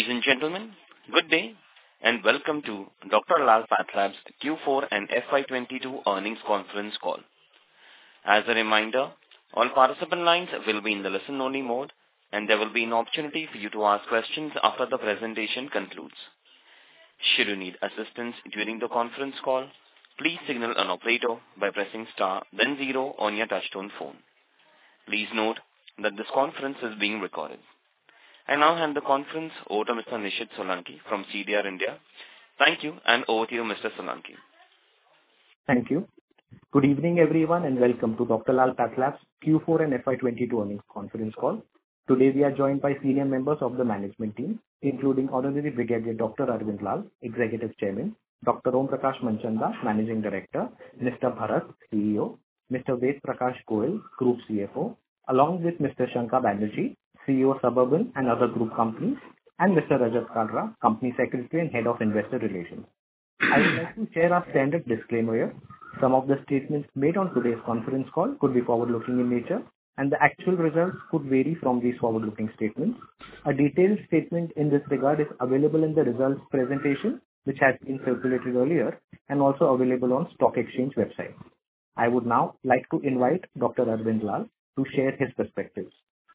Ladies and gentlemen, good day, and welcome to Dr. Lal PathLabs Q4 and FY 22 earnings conference call. As a reminder, all participant lines will be in the listen only mode, and there will be an opportunity for you to ask questions after the presentation concludes. Should you need assistance during the conference call, please signal an operator by pressing star then zero on your touchtone phone. Please note that this conference is being recorded. I now hand the conference over to Mr. Nishit Solanki from CDR India. Thank you, and over to you, Mr. Solanki. Thank you. Good evening, everyone, and welcome to Dr. Lal PathLabs Q4 and FY 2022 earnings conference call. Today, we are joined by senior members of the management team, including Honorary Brigadier Dr. Arvind Lal, Executive Chairman, Dr. Om Prakash Manchanda, Managing Director, Mr. Bharath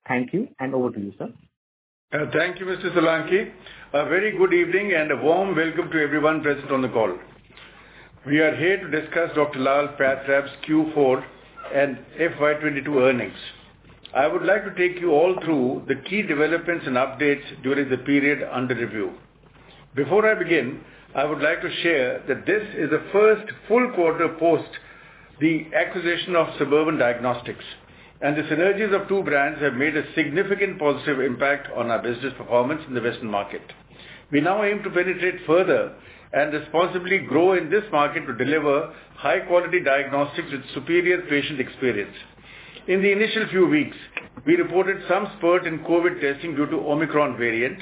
Thank you, and over to you, sir. Thank you, Mr. Solanki. A very good evening and a warm welcome to everyone present on the call. We are here to discuss Dr. Lal PathLabs Q4 and FY 2022 earnings. I would like to take you all through the key developments and updates during the period under review. Before I begin, I would like to share that this is the first full quarter post the acquisition of Suburban Diagnostics, and the synergies of two brands have made a significant positive impact on our business performance in the Western market. We now aim to penetrate further and responsibly grow in this market to deliver high quality diagnostics with superior patient experience. In the initial few weeks, we reported some spurt in COVID testing due to Omicron variant,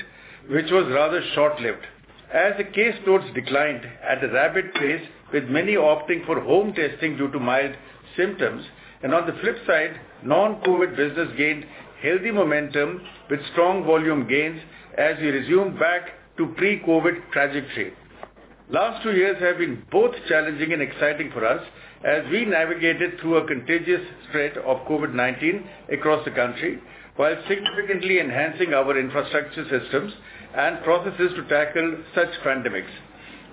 which was rather short-lived. As the caseloads declined at a rapid pace, with many opting for home testing due to mild symptoms, and on the flip side, non-COVID business gained healthy momentum with strong volume gains as we resume back to pre-COVID trajectory. Last two years have been both challenging and exciting for us as we navigated through a contagious spread of COVID-19 across the country while significantly enhancing our infrastructure systems and processes to tackle such pandemics.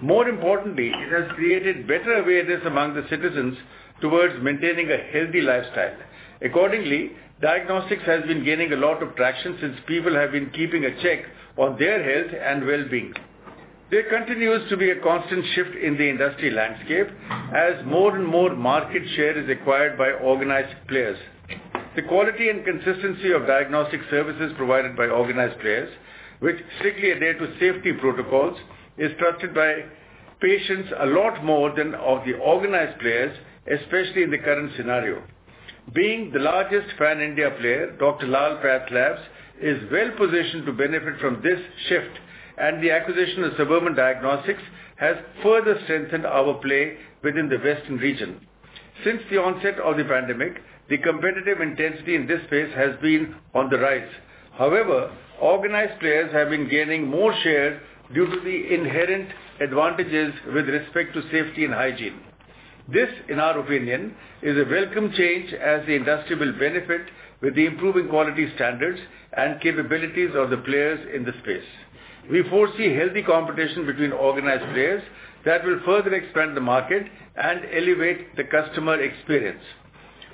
More importantly, it has created better awareness among the citizens toward maintaining a healthy lifestyle. Accordingly, diagnostics has been gaining a lot of traction since people have been keeping a check on their health and well-being. There continues to be a constant shift in the industry landscape as more and more market share is acquired by organized players. The quality and consistency of diagnostic services provided by organized players, which strictly adhere to safety protocols, is trusted by patients a lot more than those of the unorganized players, especially in the current scenario. Being the largest pan-India player, Dr. Lal PathLabs is well-positioned to benefit from this shift, and the acquisition of Suburban Diagnostics has further strengthened our play within the Western region. Since the onset of the pandemic, the competitive intensity in this space has been on the rise. However, organized players have been gaining more share due to the inherent advantages with respect to safety and hygiene. This, in our opinion, is a welcome change as the industry will benefit with the improving quality standards and capabilities of the players in the space. We foresee healthy competition between organized players that will further expand the market and elevate the customer experience.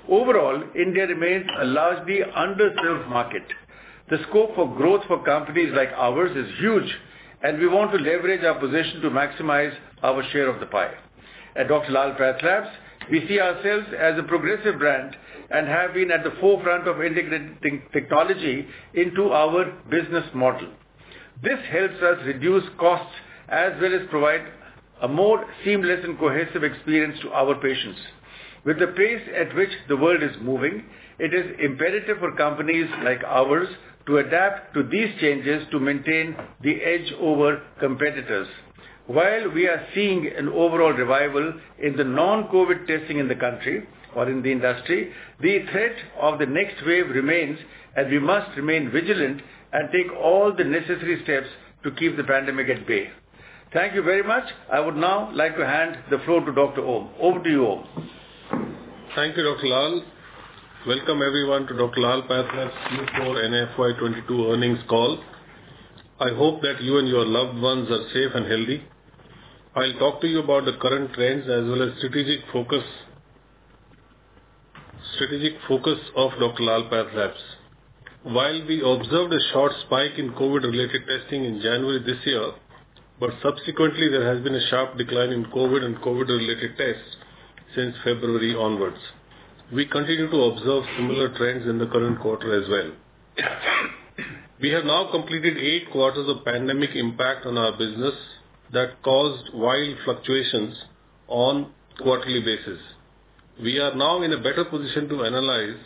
Overall, India remains a largely underserved market. The scope for growth for companies like ours is huge, and we want to leverage our position to maximize our share of the pie. At Dr. Lal PathLabs, we see ourselves as a progressive brand and have been at the forefront of integrating technology into our business model. This helps us reduce costs as well as provide a more seamless and cohesive experience to our patients. With the pace at which the world is moving, it is imperative for companies like ours to adapt to these changes to maintain the edge over competitors. While we are seeing an overall revival in the non-COVID testing in the country or in the industry, the threat of the next wave remains, and we must remain vigilant and take all the necessary steps to keep the pandemic at bay. Thank you very much. I would now like to hand the floor to Dr. Om. Over to you, Om. Thank you, Dr. Lal. Welcome, everyone, to Dr. Lal PathLabs Q4 and FY 2022 earnings call. I hope that you and your loved ones are safe and healthy. I'll talk to you about the current trends as well as strategic focus of Dr. Lal PathLabs. While we observed a short spike in COVID-related testing in January this year, but subsequently there has been a sharp decline in COVID and COVID-related tests since February onwards. We continue to observe similar trends in the current quarter as well. We have now completed eight quarters of pandemic impact on our business that caused wild fluctuations on quarterly basis. We are now in a better position to analyze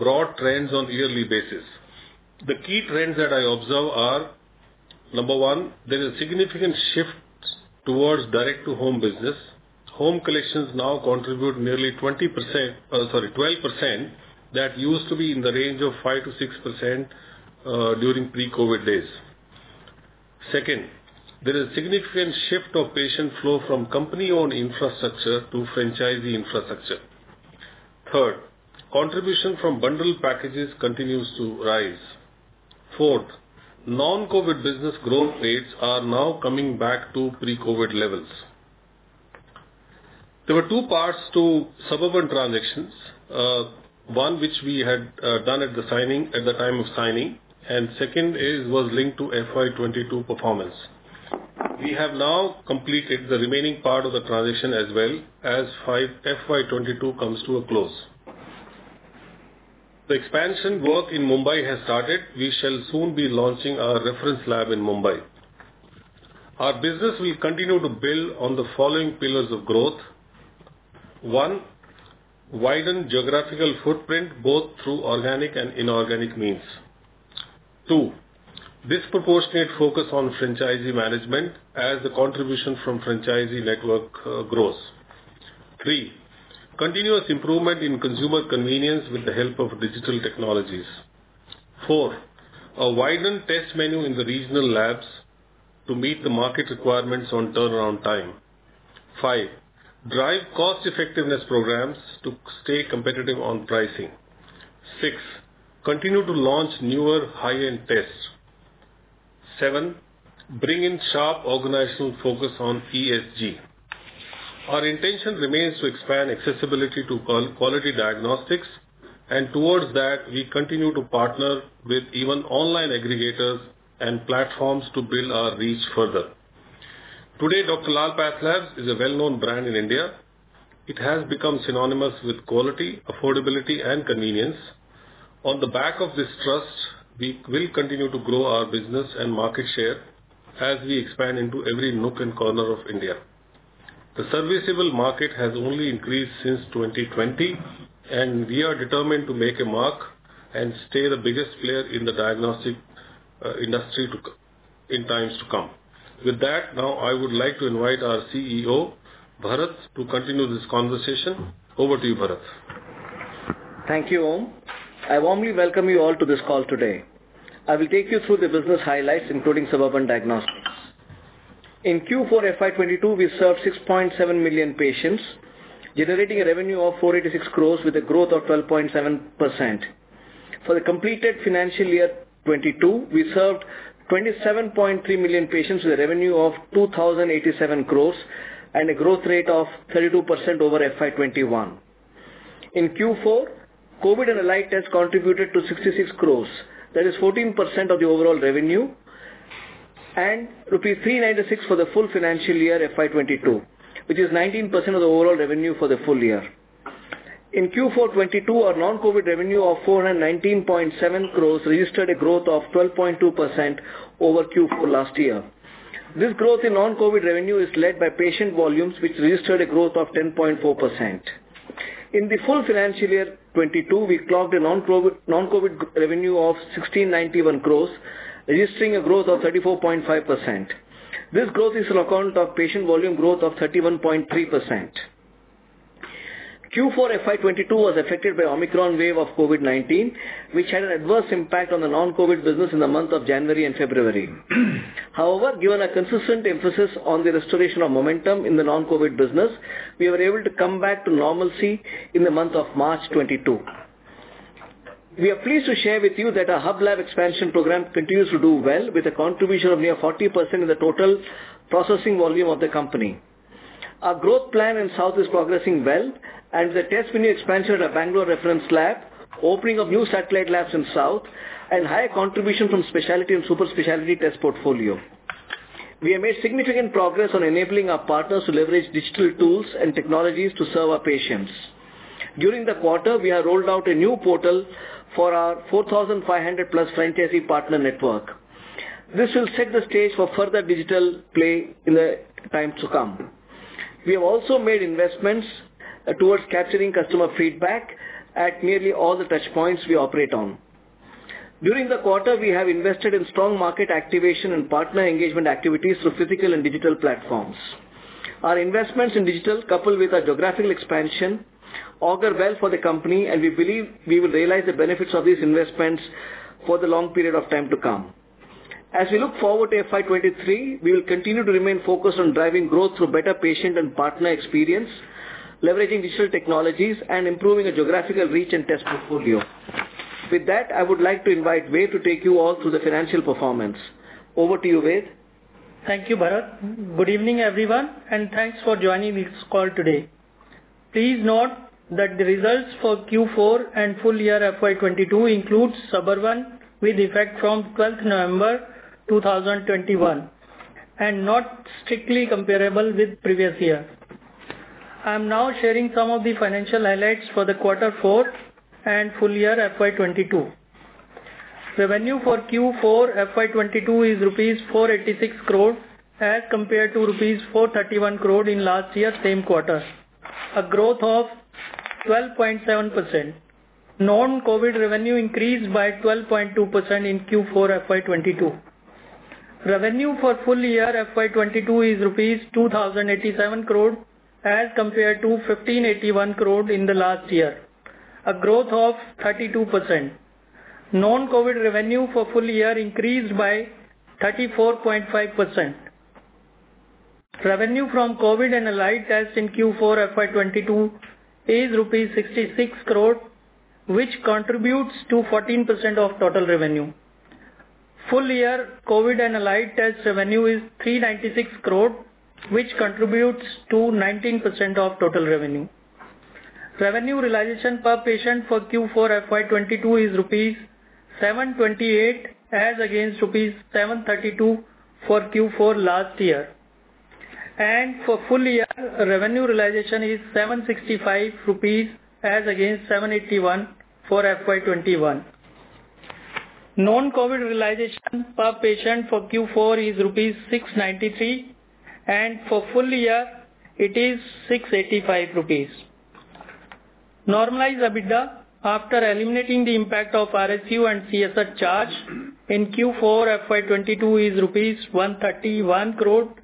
broad trends on yearly basis. The key trends that I observe are, number one, there is a significant shift towards direct to home business. Home collections now contribute nearly 20%, sorry, 12% that used to be in the range of 5%-6% during pre-COVID days. Second, there is significant shift of patient flow from company-owned infrastructure to franchisee infrastructure. Third, contribution from bundled packages continues to rise. Fourth, non-COVID business growth rates are now coming back to pre-COVID levels. There were two parts to Suburban transactions. One which we had done at the signing, at the time of signing, and second was linked to FY 2022 performance. We have now completed the remaining part of the transition as FY 2022 comes to a close. The expansion work in Mumbai has started. We shall soon be launching our reference lab in Mumbai. Our business will continue to build on the following pillars of growth. One, widen geographical footprint, both through organic and inorganic means. Two, disproportionate focus on franchisee management as the contribution from franchisee network grows. Three, continuous improvement in consumer convenience with the help of digital technologies. Four, a widened test menu in the regional labs to meet the market requirements on turnaround time. Five, drive cost effectiveness programs to stay competitive on pricing. Six, continue to launch newer high-end tests. Seven, bring in sharp organizational focus on ESG. Our intention remains to expand accessibility to quality diagnostics, and towards that, we continue to partner with even online aggregators and platforms to build our reach further. Today, Dr. Lal PathLabs is a well-known brand in India. It has become synonymous with quality, affordability, and convenience. On the back of this trust, we will continue to grow our business and market share as we expand into every nook and corner of India. The serviceable market has only increased since 2020, and we are determined to make a mark and stay the biggest player in the diagnostic industry in times to come. With that, now I would like to invite our CEO, Bharath Thank you, Om. I warmly welcome you all to this call today. I will take you through the business highlights, including Suburban Diagnostics. In Q4 FY 2022, we served 6.7 million patients, generating a revenue of 486 crores with a growth of 12.7%. For the completed financial year 2022, we served 27.3 million patients with a revenue of 2,087 crores and a growth rate of 32% over FY 2021. In Q4, COVID and allied tests contributed to 66 crores. That is 14% of the overall revenue and rupees 396 crores for the full financial year FY 2022, which is 19% of the overall revenue for the full year. In Q4 2022, our non-COVID revenue of 419.7 crores registered a growth of 12.2% over Q4 last year. This growth in non-COVID revenue is led by patient volumes, which registered a growth of 10.4%. In the full financial year 2022, we clocked a non-COVID revenue of 1,691 crores, registering a growth of 34.5%. This growth is on account of patient volume growth of 31.3%. Q4 FY 2022 was affected by Omicron wave of COVID-19, which had an adverse impact on the non-COVID business in the month of January and February. However, given a consistent emphasis on the restoration of momentum in the non-COVID business, we were able to come back to normalcy in the month of March 2022. We are pleased to share with you that our Hub Lab expansion program continues to do well with a contribution of near 40% of the total processing volume of the company. Our growth plan in South is progressing well as the test menu expansion at Bangalore Reference Lab, opening of new satellite labs in South, and high contribution from specialty and super specialty test portfolio. We have made significant progress on enabling our partners to leverage digital tools and technologies to serve our patients. During the quarter, we have rolled out a new portal for our 4,500+ franchisee partner network. This will set the stage for further digital play in the times to come. We have also made investments towards capturing customer feedback at nearly all the touchpoints we operate on. During the quarter, we have invested in strong market activation and partner engagement activities through physical and digital platforms. Our investments in digital, coupled with our geographical expansion, augur well for the company, and we believe we will realize the benefits of these investments for the long period of time to come. As we look forward to FY 2023, we will continue to remain focused on driving growth through better patient and partner experience, leveraging digital technologies and improving the geographical reach and test portfolio. With that, I would like to invite Ved to take you all through the financial performance. Over to you, Ved. Thank you, Bharath. Good evening, everyone, and thanks for joining this call today. Please note that the results for Q4 and full year FY 2022 include Suburban with effect from 12th November 2021, and not strictly comparable with previous year. I am now sharing some of the financial highlights for quarter four and full year FY 2022. Revenue for Q4 FY 2022 is rupees 486 crores as compared to rupees 431 crore in last year same quarter, a growth of- 12.7%. Non-COVID revenue increased by 12.2% in Q4 FY 2022. Revenue for full year FY 2022 is rupees 2,087 crore, as compared to 1,581 crore in the last year, a growth of 32%. Non-COVID revenue for full year increased by 34.5%. Revenue from COVID and allied tests in Q4 FY 2022 is 66 crore rupees, which contributes to 14% of total revenue. Full year COVID and allied test revenue is 396 crore, which contributes to 19% of total revenue. Revenue realization per patient for Q4 FY 2022 is rupees 728, as against rupees 732 for Q4 last year. For full year, revenue realization is INR 765, as against 781 for FY 2021. Non-COVID realization per patient for Q4 is rupees 693, and for full year it is 685 rupees. Normalized EBITDA, after eliminating the impact of RSU and CSR charge in Q4 FY 2022 is INR 131 crore,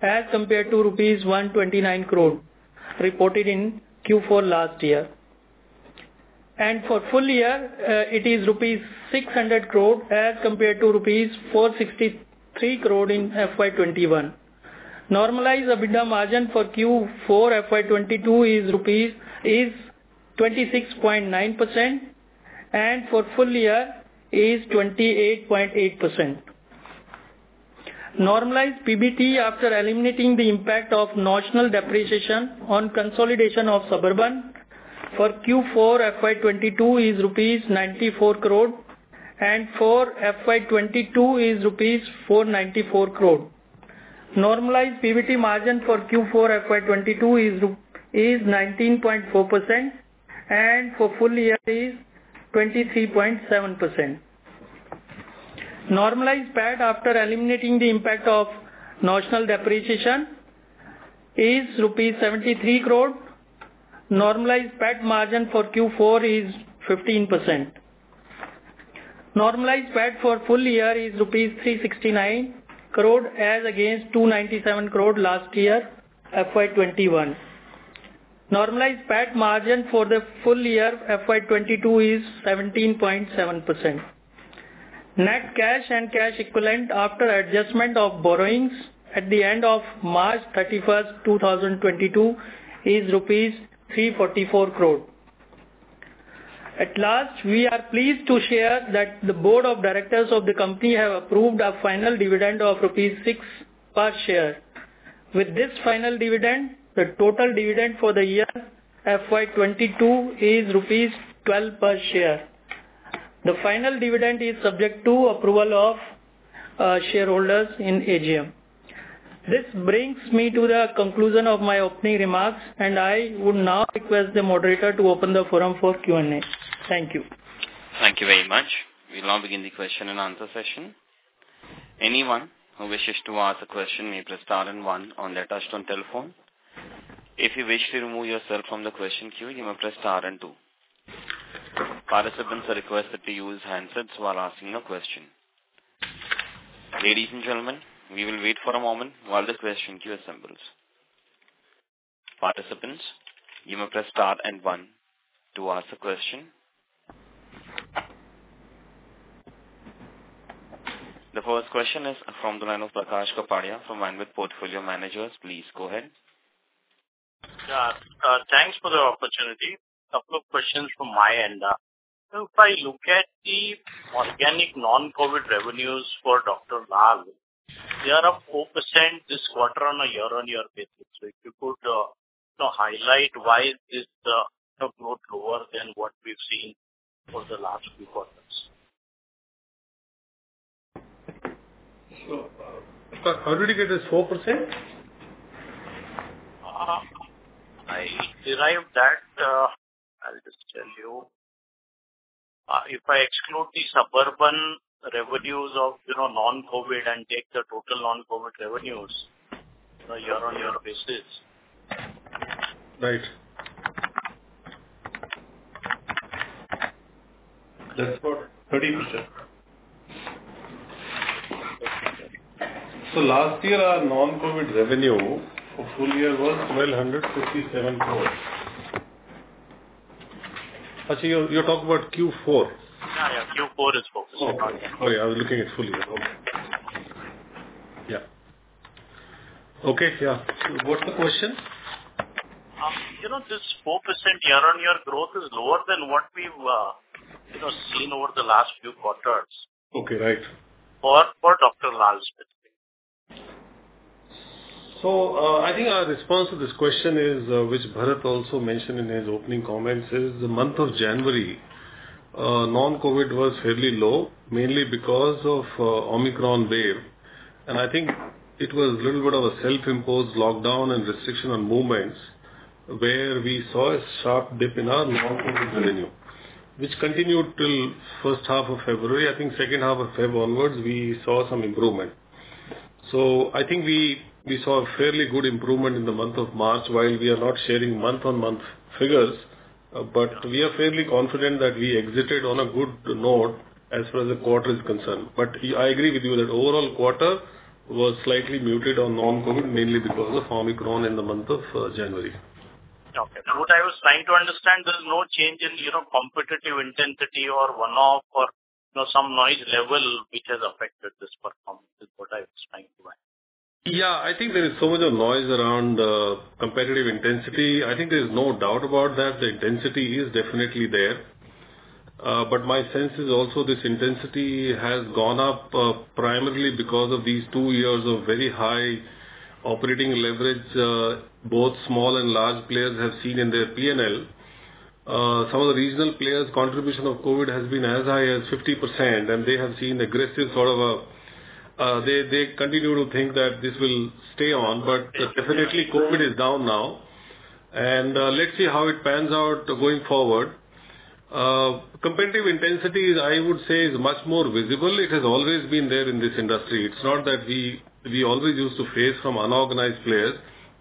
as compared to INR 129 crore reported in Q4 last year. For full year, it is rupees 600 crore as compared to rupees 463 crore in FY 2021. Normalized EBITDA margin for Q4 FY 2022 is 26.9%, and for full year is 28.8%. Normalized PBT, after eliminating the impact of notional depreciation on consolidation of Suburban for Q4 FY 2022 is rupees 94 crore, and for FY 2022 is rupees 494 crore. Normalized PBT margin for Q4 FY 2022 is 19.4%, and for full year is 23.7%. Normalized PAT after eliminating the impact of notional depreciation is 73 crore rupees. Normalized PAT margin for Q4 is 15%. Normalized PAT for full year is INR 369 crore, as against INR 297 crore last year, FY 2021. Normalized PAT margin for the full year FY 2022 is 17.7%. Net cash and cash equivalent after adjustment of borrowings at the end of March 31, 2022 is rupees 344 crore. At last, we are pleased to share that the board of directors of the company have approved a final dividend of 6 rupees per share. With this final dividend, the total dividend for the year FY 2022 is INR 12 per share. The final dividend is subject to approval of shareholders in AGM. This brings me to the conclusion of my opening remarks, and I would now request the moderator to open the forum for Q&A. Thank you. Thank you very much. We now begin the question and answer session. Anyone who wishes to ask a question may press star and one on their touchtone telephone. If you wish to remove yourself from the question queue, you may press star and two. Participants are requested to use handsets while asking a question. Ladies and gentlemen, we will wait for a moment while the question queue assembles. Participants, you may press star and one to ask a question. The first question is from the line of Prakash Kapadia from Anived Portfolio Managers. Please go ahead. Yeah. Thanks for the opportunity. A couple of questions from my end. If I look at the organic non-COVID revenues for Dr. Lal, they are up 4% this quarter on a year-on-year basis. If you could, you know, highlight why is this kind of growth lower than what we've seen for the last few quarters. sir, how did you get this 4%? I derived that. I'll just tell you. If I exclude the Suburban revenues of, you know, non-COVID and take the total non-COVID revenues on a year-on-year basis. Right. That's about 13%. Last year our non-COVID revenue for full year was 1,257 crores. Actually, you're talking about Q4. Yeah, yeah. Q4 is 4%. Oh yeah. I was looking at full year. Okay. Yeah. What's the question? You know, this 4% year-on-year growth is lower than what we've, you know, seen over the last few quarters. Okay. Right. For Dr. Lal's, basically. I think our response to this question is, which Bharath also mentioned in his opening comments, is the month of January, non-COVID was fairly low, mainly because of Omicron wave, and I think it was a little bit of a self-imposed lockdown and restriction on movements where we saw a sharp dip in our non-COVID revenue. Which continued till first half of February. I think second half of February onwards, we saw some improvement. I think we saw a fairly good improvement in the month of March. While we are not sharing month-on-month figures, but we are fairly confident that we exited on a good note as far as the quarter is concerned. I agree with you that overall quarter was slightly muted on non-COVID, mainly because of Omicron in the month of January. Okay. Now, what I was trying to understand, there is no change in, you know, competitive intensity or one-off or, you know, some noise level which has affected this performance, is what I was trying to ask? Yeah. I think there is so much of noise around, competitive intensity. I think there's no doubt about that. The intensity is definitely there. My sense is also this intensity has gone up, primarily because of these two years of very high operating leverage, both small and large players have seen in their P&L. Some of the regional players' contribution of COVID has been as high as 50%, and they continue to think that this will stay on. Definitely COVID is down now, and, let's see how it pans out going forward. Competitive intensity is, I would say, much more visible. It has always been there in this industry. It's not that we always used to face from unorganized players.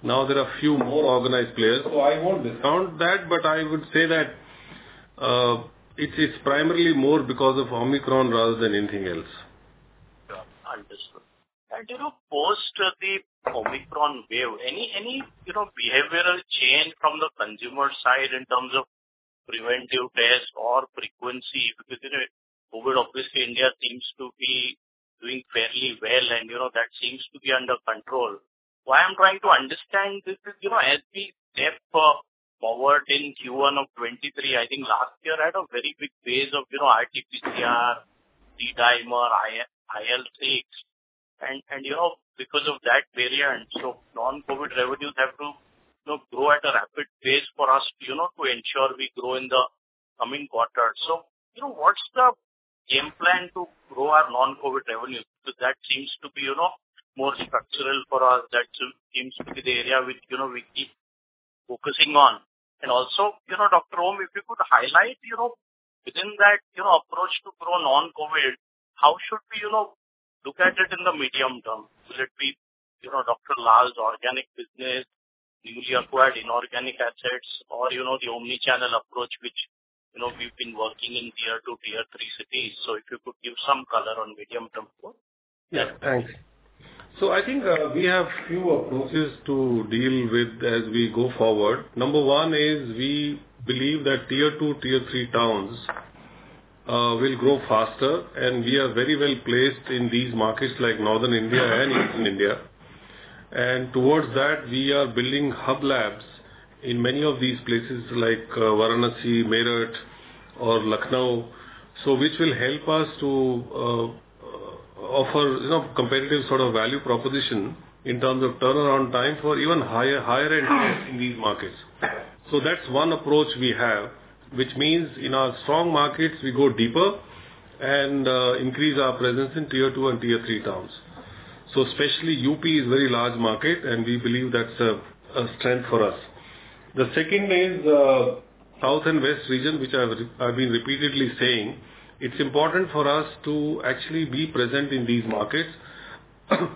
Now there are few more organized players. I won't discount that, but I would say that, it's primarily more because of Omicron rather than anything else. Yeah. Understood. You know, post the Omicron wave, any you know, behavioral change from the consumer side in terms of preventive tests or frequency? Because you know, COVID, obviously India seems to be doing fairly well and you know, that seems to be under control. Why I'm trying to understand this is, you know, as we step forward in Q1 of 2023, I think last year had a very big phase of, you know, RT-PCR, D-dimer, IL-6 and you know, because of that variant. Non-COVID revenues have to you know, grow at a rapid pace for us, you know, to ensure we grow in the coming quarters. You know, what's the game plan to grow our non-COVID revenues? Because that seems to be you know, more structural for us. That seems to be the area which you know, we keep focusing on. Also, you know, Dr. Om, if you could highlight, you know, within that, you know, approach to grow non-COVID, how should we, you know, look at it in the medium term? Will it be, you know, Dr. Lal's organic business, newly acquired inorganic assets or, you know, the omni-channel approach, which, you know, we've been working in tier two, tier three cities. If you could give some color on medium term growth. Yeah. Thanks. I think we have few approaches to deal with as we go forward. Number one is we believe that tier two, tier three towns will grow faster, and we are very well placed in these markets like Northern India and Eastern India. Towards that, we are building hub labs in many of these places like Varanasi, Meerut or Lucknow. Which will help us to offer, you know, competitive sort of value proposition in terms of turnaround time for even higher end tests in these markets. That's one approach we have, which means in our strong markets, we go deeper and increase our presence in tier two and tier three towns. Especially UP is very large market, and we believe that's a strength for us. The second is South and West region, which I've been repeatedly saying. It's important for us to actually be present in these markets.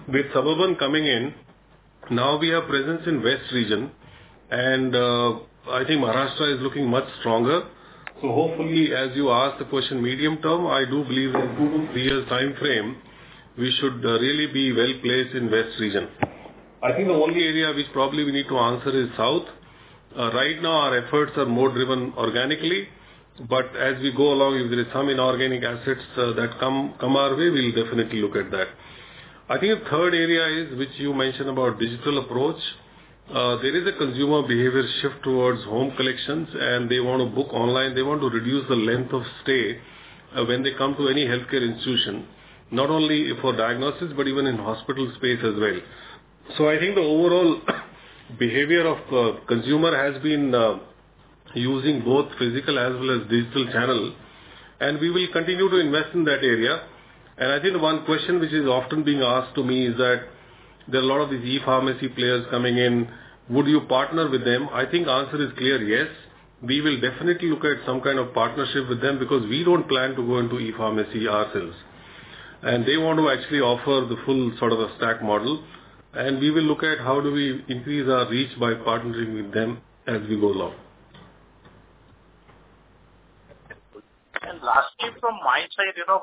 With Suburban coming in, now we have presence in West region, and I think Maharashtra is looking much stronger. Hopefully, as you asked the question medium term, I do believe in two-three years timeframe, we should really be well placed in West region. I think the only area which probably we need to answer is South. Right now our efforts are more driven organically, but as we go along, if there is some inorganic assets that come our way, we'll definitely look at that. I think the third area is which you mentioned about digital approach. There is a consumer behavior shift towards home collections, and they want to book online. They want to reduce the length of stay, when they come to any healthcare institution, not only for diagnosis, but even in hospital space as well. I think the overall behavior of consumer has been using both physical as well as digital channel, and we will continue to invest in that area. I think one question which is often being asked to me is that there are a lot of these e-pharmacy players coming in. Would you partner with them? I think answer is clear, yes. We will definitely look at some kind of partnership with them because we don't plan to go into e-pharmacy ourselves. They want to actually offer the full sort of a stack model, and we will look at how do we increase our reach by partnering with them as we go along. Lastly, from my side, you know,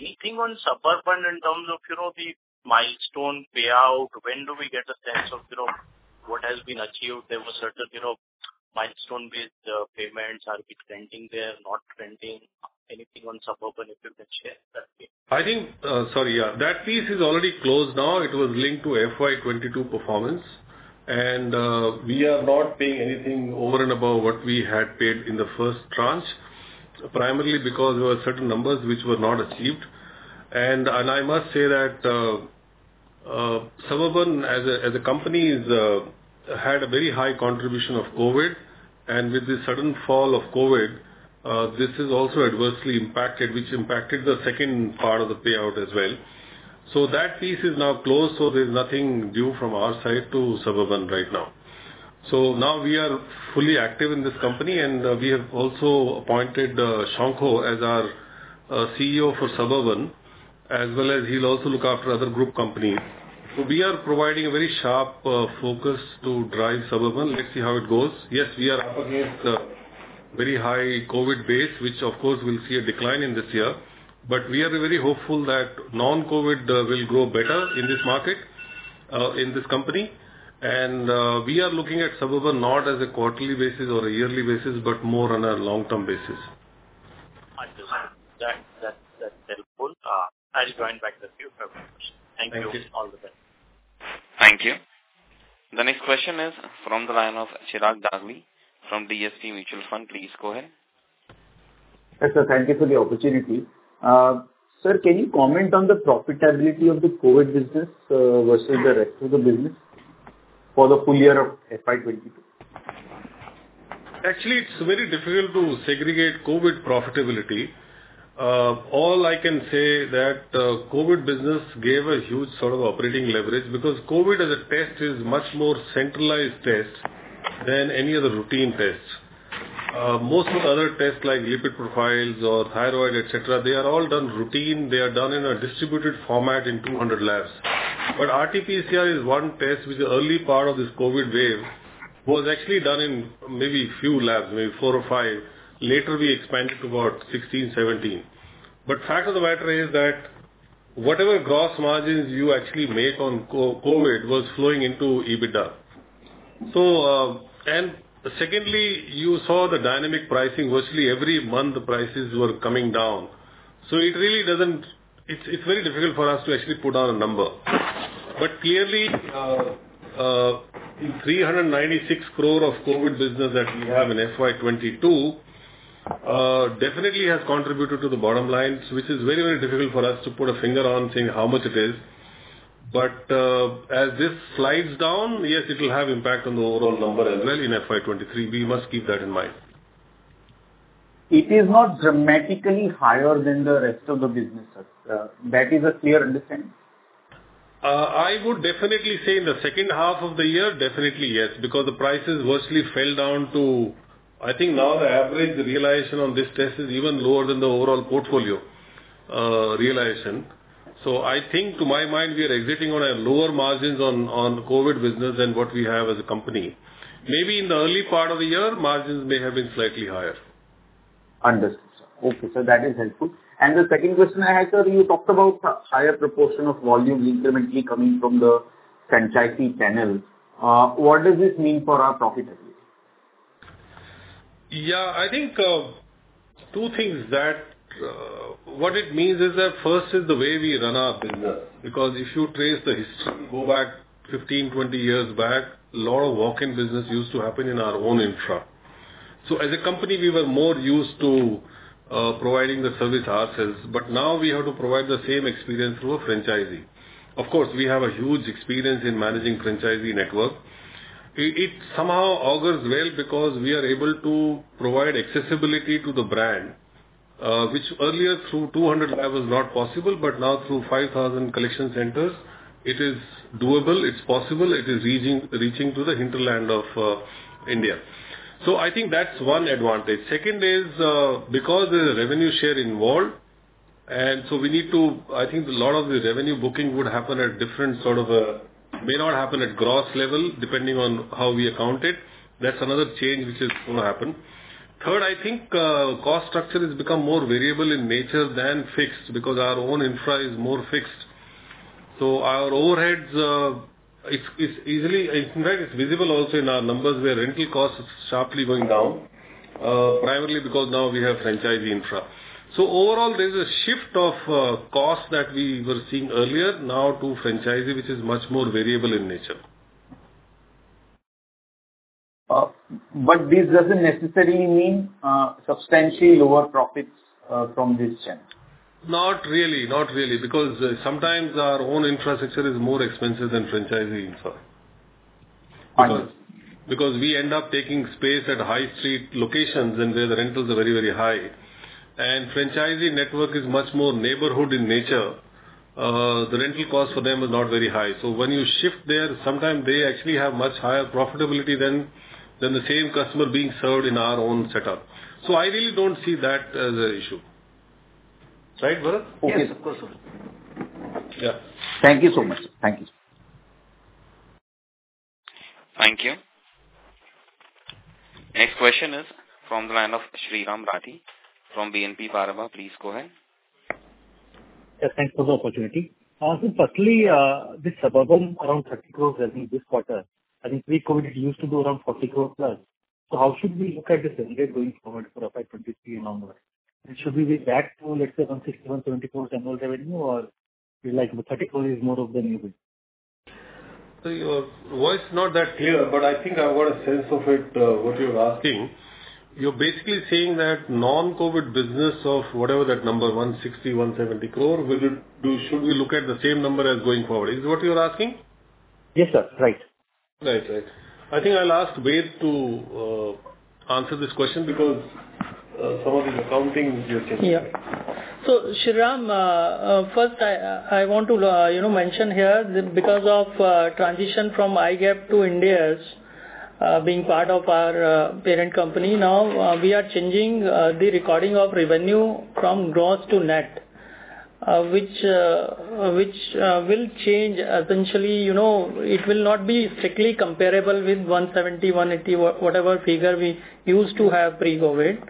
anything on Suburban in terms of, you know, the milestone payout? When do we get a sense of, you know, what has been achieved? There were certain, you know, milestone-based payments. Are we trending there, not trending? Anything on Suburban, if you can share that please. I think, sorry, yeah. That piece is already closed now. It was linked to FY 2022 performance, and we are not paying anything over and above what we had paid in the first tranche, primarily because there were certain numbers which were not achieved. I must say that Suburban as a company had a very high contribution of COVID, and with the sudden fall of COVID, this is also adversely impacted, which impacted the second part of the payout as well. That piece is now closed, so there's nothing due from our side to Suburban right now. Now we are fully active in this company, and we have also appointed Shankha Banerjee as our CEO for Suburban, as well as he'll also look after other group companies. We are providing a very sharp focus to drive Suburban Diagnostics. Let's see how it goes. Yes, we are up against a very high COVID base, which of course will see a decline in this year. We are very hopeful that non-COVID will grow better in this market, in this company. We are looking at Suburban Diagnostics not as a quarterly basis or a yearly basis, but more on a long-term basis. Understood. That's helpful. I'll join back with you if I have any questions. Thank you. Thank you. All the best. Thank you. The next question is from the line of Chirag Dagli from DSP Mutual Fund. Please go ahead. Yes, sir. Thank you for the opportunity. Sir, can you comment on the profitability of the COVID business, versus the rest of the business for the full year of FY 22? Actually, it's very difficult to segregate COVID profitability. All I can say that COVID business gave a huge sort of operating leverage because COVID as a test is much more centralized test than any other routine tests. Most of the other tests like lipid profiles or thyroid, et cetera, they are all done routine. They are done in a distributed format in 200 labs. RTPCR is one test which the early part of this COVID wave was actually done in maybe few labs, maybe four or five. Later we expanded to about 16, 17. Fact of the matter is that whatever gross margins you actually make on COVID was flowing into EBITDA. Secondly, you saw the dynamic pricing. Virtually every month the prices were coming down. It really doesn't. It's very difficult for us to actually put down a number. Clearly, 396 crore of COVID business that we have in FY 2022 definitely has contributed to the bottom line, which is very, very difficult for us to put a finger on saying how much it is. As this slides down, yes, it will have impact on the overall number as well in FY 2023. We must keep that in mind. It is not dramatically higher than the rest of the business, that is a clear understanding? I would definitely say in the second half of the year, definitely yes, because the prices virtually fell down to I think now the average realization on this test is even lower than the overall portfolio realization. So I think to my mind, we are exiting on a lower margins on COVID business than what we have as a company. Maybe in the early part of the year, margins may have been slightly higher. Understood, sir. Okay, sir, that is helpful. The second question I had, sir, you talked about higher proportion of volume incrementally coming from the franchisee panel. What does this mean for our profitability? Yeah, I think two things that what it means is that first is the way we run our business, because if you trace the history, go back 15, 20 years back, lot of walk-in business used to happen in our own infra. So as a company, we were more used to providing the service ourselves, but now we have to provide the same experience through a franchisee. Of course, we have a huge experience in managing franchisee network. It somehow augurs well because we are able to provide accessibility to the brand, which earlier through 200 lab was not possible, but now through 5,000 collection centers it is doable, it's possible, it is reaching to the hinterland of India. So I think that's one advantage. Second is, because there's a revenue share involved, and so we need to... I think a lot of the revenue booking may not happen at gross level, depending on how we account it. That's another change which is gonna happen. Third, I think, cost structure has become more variable in nature than fixed because our own infra is more fixed. Our overheads, it's easily. In fact, it's visible also in our numbers where rental cost is sharply going down, primarily because now we have franchisee infra. Overall, there's a shift of cost that we were seeing earlier now to franchisee, which is much more variable in nature. This doesn't necessarily mean substantially lower profits from this change. Not really. Because sometimes our own infrastructure is more expensive than franchisee infra. Understood. Because we end up taking space at high street locations and where the rentals are very, very high. Franchisee network is much more neighborhood in nature. The rental cost for them is not very high. When you shift there, sometimes they actually have much higher profitability than the same customer being served in our own setup. I really don't see that as an issue. Right, Bharath? Yes, of course, sir. Yeah. Thank you so much. Thank you. Thank you. Next question is from the line of Bharath Yes, thanks for the opportunity. Sir, firstly, the Suburban around 30 crore revenue this quarter. I think pre-COVID it used to be around 40 crore plus. How should we look at this revenue going forward for FY 2023 onwards? Should we be back to let's say 160, 120 crore annual revenue or be like the 30 crore is more of the new base? Sir, your voice is not that clear, but I think I've got a sense of it, what you're asking. You're basically saying that non-COVID business of whatever that number, 160 crore-170 crore, should we look at the same number as going forward? Is this what you're asking? Yes, sir. Right. Right, right. I think I'll ask Ved to answer this question because some of the accounting you're saying. Yeah. Shriram, first I want to you know mention here that because of transition from IGAAP to Ind AS, being part of our parent company now, we are changing the recording of revenue from gross to net, which will change essentially. You know, it will not be strictly comparable with 170, 180, whatever figure we used to have pre-COVID.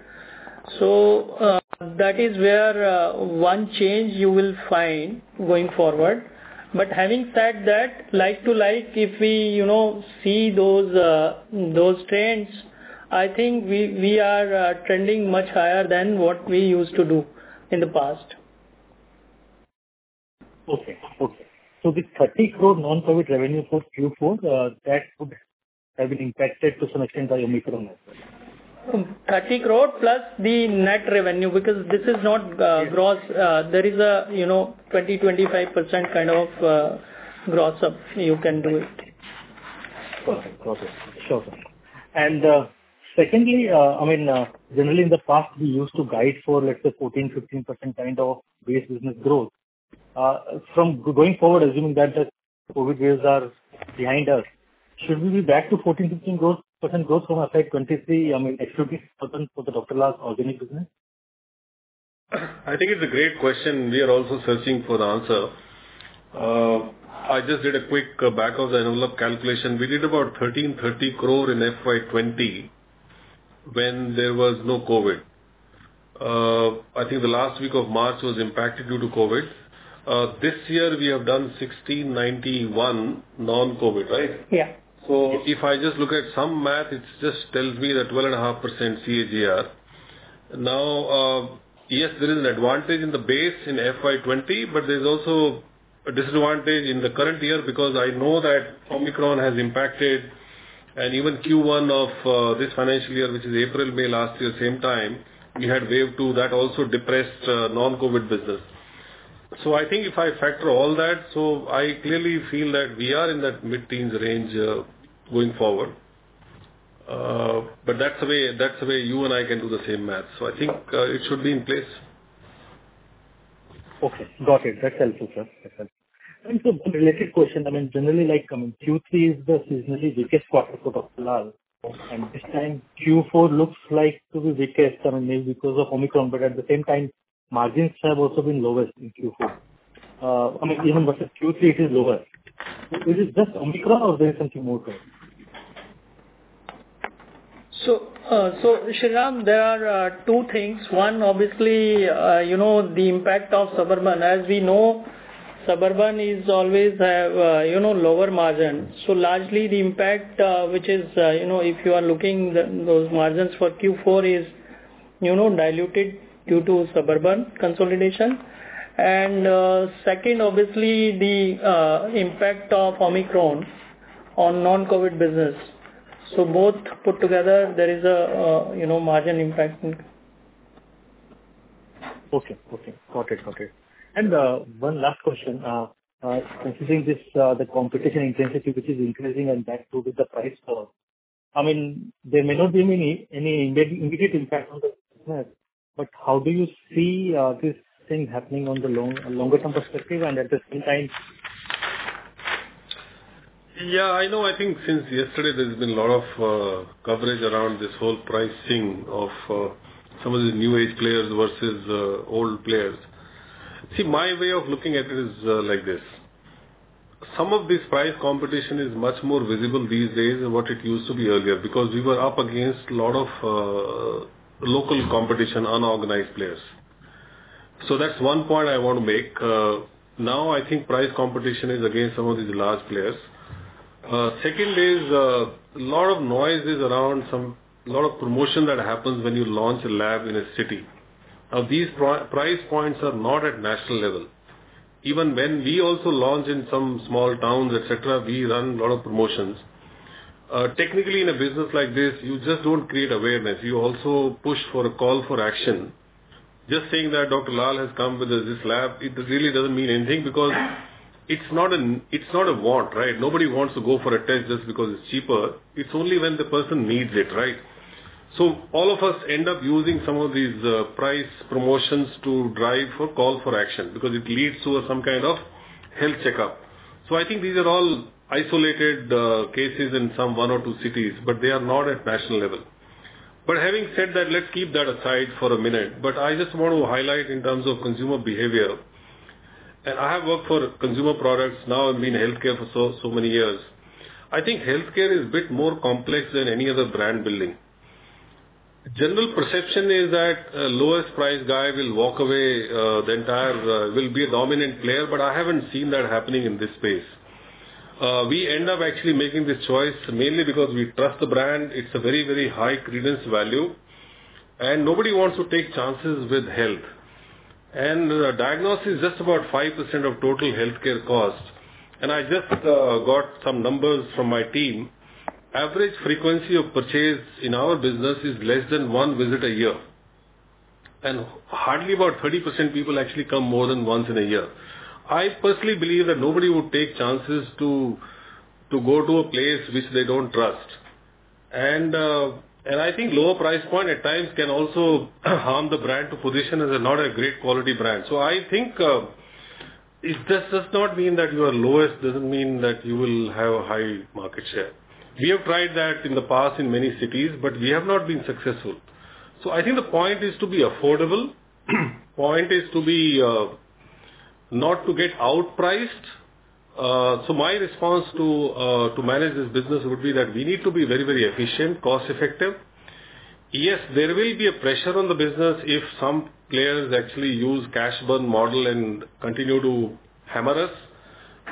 That is where one change you will find going forward. Having said that, like to like, if we you know see those trends, I think we are trending much higher than what we used to do in the past. Okay. The 30 crore non-COVID revenue for Q4, that would have been impacted to some extent by Omicron also. 30 crore plus the net revenue because this is not gross. There is a you know 20%-25% kind of gross up you can do it. Sure, sir. Secondly, I mean, generally in the past we used to guide for, let's say, 14%-15% kind of base business growth. From going forward, assuming that the COVID waves are behind us, should we be back to 14%-15% growth, percent growth from FY 2023, I mean, excluding percent for the Dr. Lal PathLabs' organic business? I think it's a great question. We are also searching for the answer. I just did a quick back of the envelope calculation. We did about 1,330 crore in FY 2020 when there was no COVID. I think the last week of March was impacted due to COVID. This year we have done 1,691 non-COVID, right? Yeah. If I just look at some math, it just tells me that 12.5% CAGR. Now, yes, there is an advantage in the base in FY 2020, but there's also a disadvantage in the current year because I know that Omicron has impacted and even Q1 of this financial year, which is April, May last year, same time, we had wave two that also depressed non-COVID business. I think if I factor all that, I clearly feel that we are in that mid-teens range going forward. But that's the way you and I can do the same math. I think it should be in place. Okay. Got it. That's helpful, sir. That's helpful. One related question, I mean, generally like, I mean, Q3 is the seasonally weakest quarter for Dr. Lal. This time Q4 looks like to be weakest, I mean, maybe because of Omicron, but at the same time margins have also been lowest in Q4. I mean, even versus Q3 it is lower. Is it just Omicron or there is something more to it? Shriram, there are two things. One, obviously, you know, the impact of Suburban. As we know, Suburban is always have, you know, lower margins. Largely the impact, which is, you know, if you are looking the, those margins for Q4 is, you know, diluted due to Suburban consolidation. Second, obviously the, impact of Omicron on non-COVID business. Both put together there is a, you know, margin impact. Okay. Got it. One last question. Considering this, the competition intensity which is increasing and that too with the price war, I mean, there may not be any immediate impact on the business, but how do you see this thing happening on the longer term perspective and at the same time. Yeah, I know. I think since yesterday there's been a lot of coverage around this whole pricing of some of the new age players versus old players. See, my way of looking at it is like this. Some of this price competition is much more visible these days than what it used to be earlier because we were up against a lot of local competition, unorganized players. That's one point I want to make. Now I think price competition is against some of these large players. Second is a lot of noise is around some lot of promotion that happens when you launch a lab in a city. These price points are not at national level. Even when we also launch in some small towns, et cetera, we run a lot of promotions. Technically in a business like this, you just don't create awareness. You also push for a call for action. Just saying that Dr. Lal has come with this lab, it really doesn't mean anything because it's not a want, right? Nobody wants to go for a test just because it's cheaper. It's only when the person needs it, right? All of us end up using some of these price promotions to drive for call for action because it leads to some kind of health checkup. I think these are all isolated cases in some one or two cities, but they are not at national level. Having said that, let's keep that aside for a minute. I just want to highlight in terms of consumer behavior, and I have worked for consumer products now and been in healthcare for so many years. I think healthcare is a bit more complex than any other brand building. General perception is that a lowest price guy will walk away the entire will be a dominant player, but I haven't seen that happening in this space. We end up actually making the choice mainly because we trust the brand. It's a very high credence value, and nobody wants to take chances with health. Diagnosis is just about 5% of total healthcare cost. I just got some numbers from my team. Average frequency of purchase in our business is less than one visit a year. Hardly about 30% people actually come more than once in a year. I personally believe that nobody would take chances to go to a place which they don't trust. I think lower price point at times can also harm the brand to position as not a great quality brand. I think it just does not mean that you are lowest, doesn't mean that you will have a high market share. We have tried that in the past in many cities, but we have not been successful. I think the point is to be affordable, point is to be not to get outpriced. My response to manage this business would be that we need to be very efficient, cost-effective. Yes, there will be a pressure on the business if some players actually use cash burn model and continue to hammer us,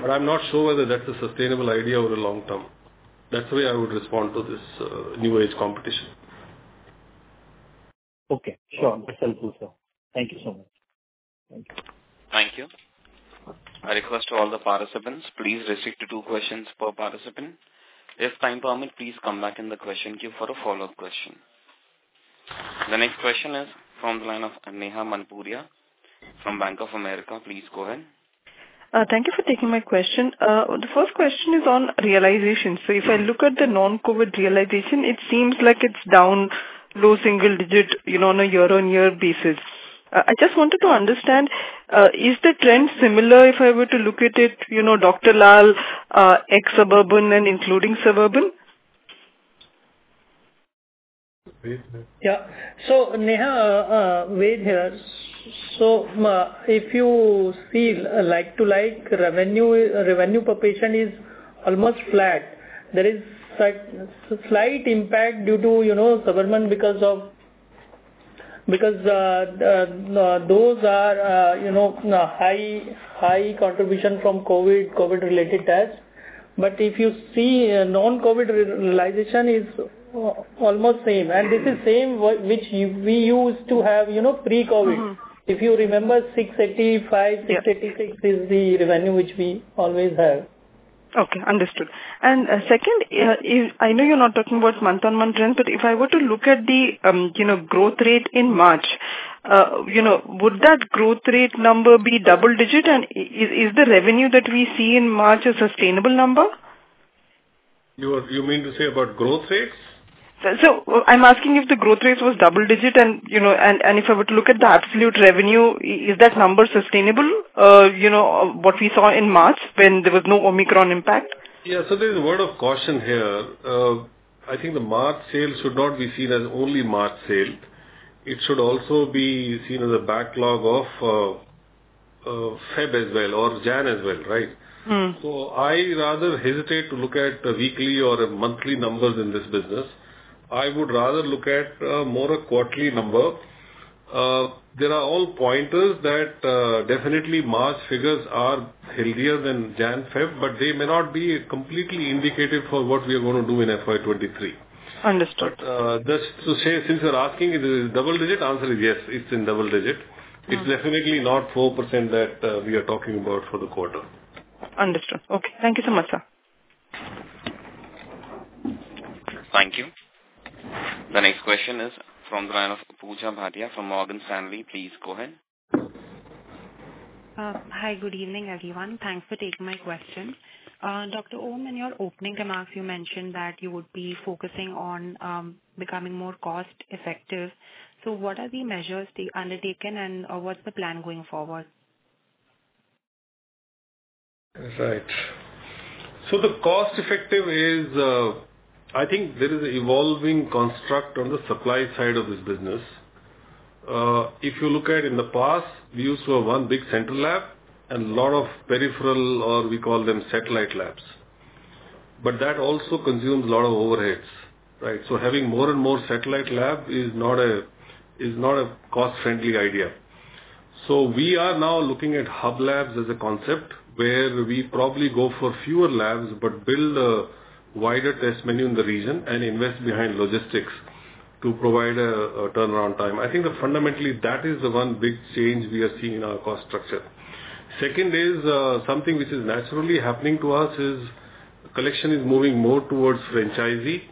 but I'm not sure whether that's a sustainable idea over the long term. That's the way I would respond to this, new age competition. Okay, sure. That's helpful, sir. Thank you so much. Thank you. Thank you. I request to all the participants, please restrict to two questions per participant. If time permit, please come back in the question queue for a follow-up question. The next question is from the line of Neha Manpuria from Bank of America. Please go ahead. Thank you for taking my question. The first question is on realization. If I look at the non-COVID realization, it seems like it's down low single digit, you know, on a year-over-year basis. I just wanted to understand, is the trend similar if I were to look at it, you know, Dr. Lal ex-Suburban and including Suburban? Ved. Yeah. Neha, Ved here. If you see like to like revenue per patient is almost flat. There is slight impact due to, you know, Suburban Diagnostics because of those, you know, high contribution from COVID-related tests. But if you see, non-COVID realization is almost same. This is same which we used to have, you know, pre-COVID. Mm-hmm. If you remember, 685. Yeah. 686 is the revenue which we always have. Okay, understood. Second is, I know you're not talking about month-on-month trend, but if I were to look at the growth rate in March, would that growth rate number be double-digit? Is the revenue that we see in March a sustainable number? You mean to say about growth rates? I'm asking if the growth rates was double digit and if I were to look at the absolute revenue, is that number sustainable? What we saw in March when there was no Omicron impact. Yeah. There's a word of caution here. I think the March sales should not be seen as only March sale. It should also be seen as a backlog of Feb as well, or Jan as well, right? Mm-hmm. I hesitate to look at weekly or monthly numbers in this business. I would rather look at more a quarterly number. There are all pointers that definitely March figures are healthier than Jan, Feb, but they may not be completely indicative for what we are gonna do in FY 2023. Understood. Just to say, since you're asking if it is double digit, answer is yes, it's in double digit. Mm. It's definitely not 4% that we are talking about for the quarter. Understood. Okay. Thank you so much, sir. Thank you. The next question is from the line of Pooja Bhatia from Morgan Stanley. Please go ahead. Hi. Good evening, everyone. Thanks for taking my question. Dr. Om, in your opening remarks, you mentioned that you would be focusing on becoming more cost-effective. What are the measures undertaken and, or what's the plan going forward? Right. The cost effectiveness is, I think there is an evolving construct on the supply side of this business. If you look at in the past, we used to have one big central lab and lot of peripheral or we call them satellite labs. That also consumes a lot of overheads, right? Having more and more satellite lab is not a cost-friendly idea. We are now looking at hub labs as a concept where we probably go for fewer labs, but build a wider test menu in the region and invest in logistics to provide a turnaround time. I think that fundamentally, that is the one big change we are seeing in our cost structure. Second is something which is naturally happening to us: collection moving more towards franchisee,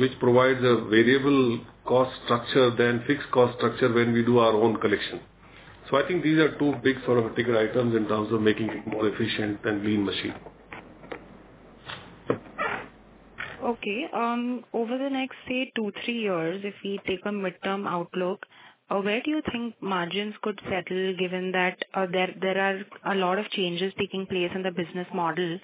which provides a variable cost structure than fixed cost structure when we do our own collection. I think these are two big sort of ticker items in terms of making it more efficient and lean machine. Okay. Over the next, say, two, three years, if we take a midterm outlook, where do you think margins could settle given that there are a lot of changes taking place in the business model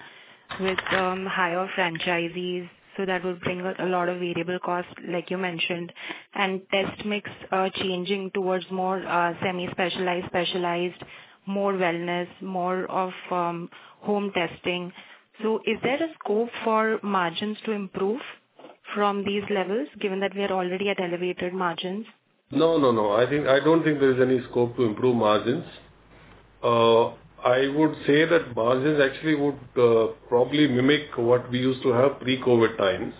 with higher franchisees, so that will bring a lot of variable costs like you mentioned, and test mix changing towards more semi-specialized, specialized, more wellness, more of home testing. Is there a scope for margins to improve from these levels given that we are already at elevated margins? No, no. I don't think there is any scope to improve margins. I would say that margins actually would probably mimic what we used to have pre-COVID times.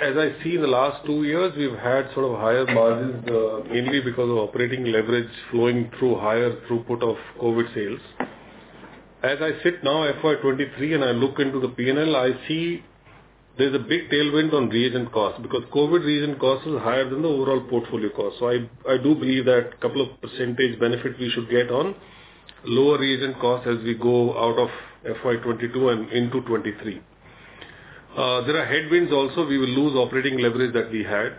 As I see in the last two years, we've had sort of higher margins mainly because of operating leverage flowing through higher throughput of COVID sales. As I sit now FY 2023 and I look into the P&L, I see there's a big tailwind on reagent cost because COVID reagent cost is higher than the overall portfolio cost. I do believe that couple of percentage benefit we should get on lower reagent cost as we go out of FY 2022 and into 2023. There are headwinds also. We will lose operating leverage that we had.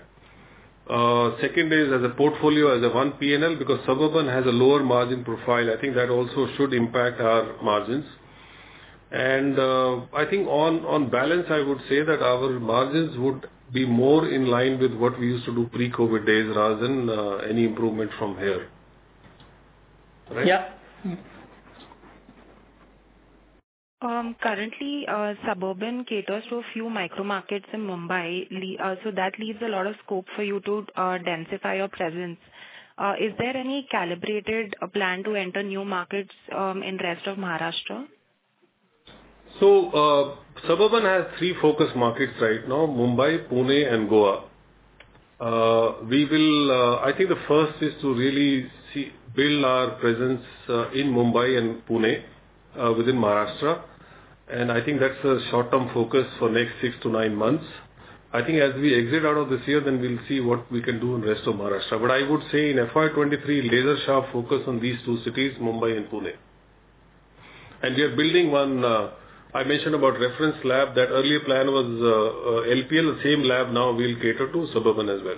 Second is as a portfolio, as a one P&L, because Suburban has a lower margin profile. I think that also should impact our margins. I think on balance, I would say that our margins would be more in line with what we used to do pre-COVID days rather than any improvement from here. Right? Yeah. Mm-hmm. Currently, Suburban caters to a few micro markets in Mumbai, so that leaves a lot of scope for you to densify your presence. Is there any calibrated plan to enter new markets in rest of Maharashtra? Suburban has three focus markets right now, Mumbai, Pune and Goa. We will build our presence in Mumbai and Pune within Maharashtra, and I think that's the short-term focus for next 6-9 months. I think as we exit out of this year, we'll see what we can do in rest of Maharashtra. I would say in FY 2023, laser sharp focus on these two cities, Mumbai and Pune. We are building one, I mentioned about reference lab. That earlier plan was LPL. The same lab now will cater to Suburban as well.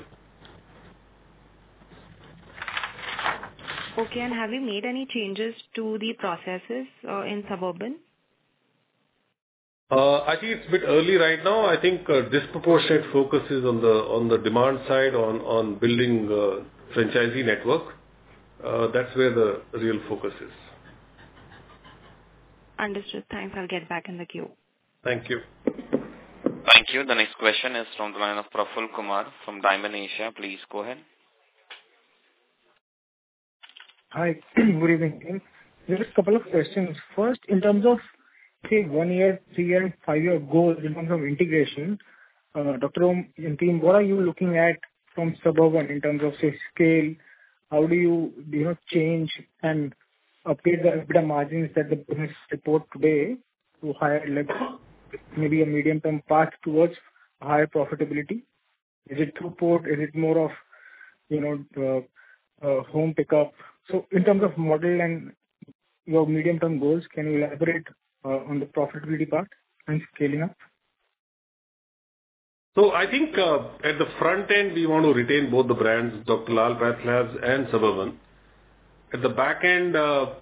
Okay. Have you made any changes to the processes in Suburban? I think it's a bit early right now. I think, disproportionate focus is on the demand side, on building franchisee network. That's where the real focus is. Understood. Thanks. I'll get back in the queue. Thank you. Thank you. The next question is from the line of Shriram Praful Kumar from Dymon Asia. Please go ahead. Hi. Good evening. Just a couple of questions. First, in terms of, say, one-year, three-year, five-year goals in terms of integration, Dr. Om and team, what are you looking at from Suburban Diagnostics in terms of, say, scale? Do you have change and upgrade the EBITDA margins that the business reports today to higher level, maybe a medium-term path towards higher profitability? Is it throughput? Is it more of, you know, home pickup? In terms of model and your medium-term goals, can you elaborate on the profitability part and scaling up? I think, at the front end, we want to retain both the brands, Dr. Lal PathLabs and Suburban. At the back end,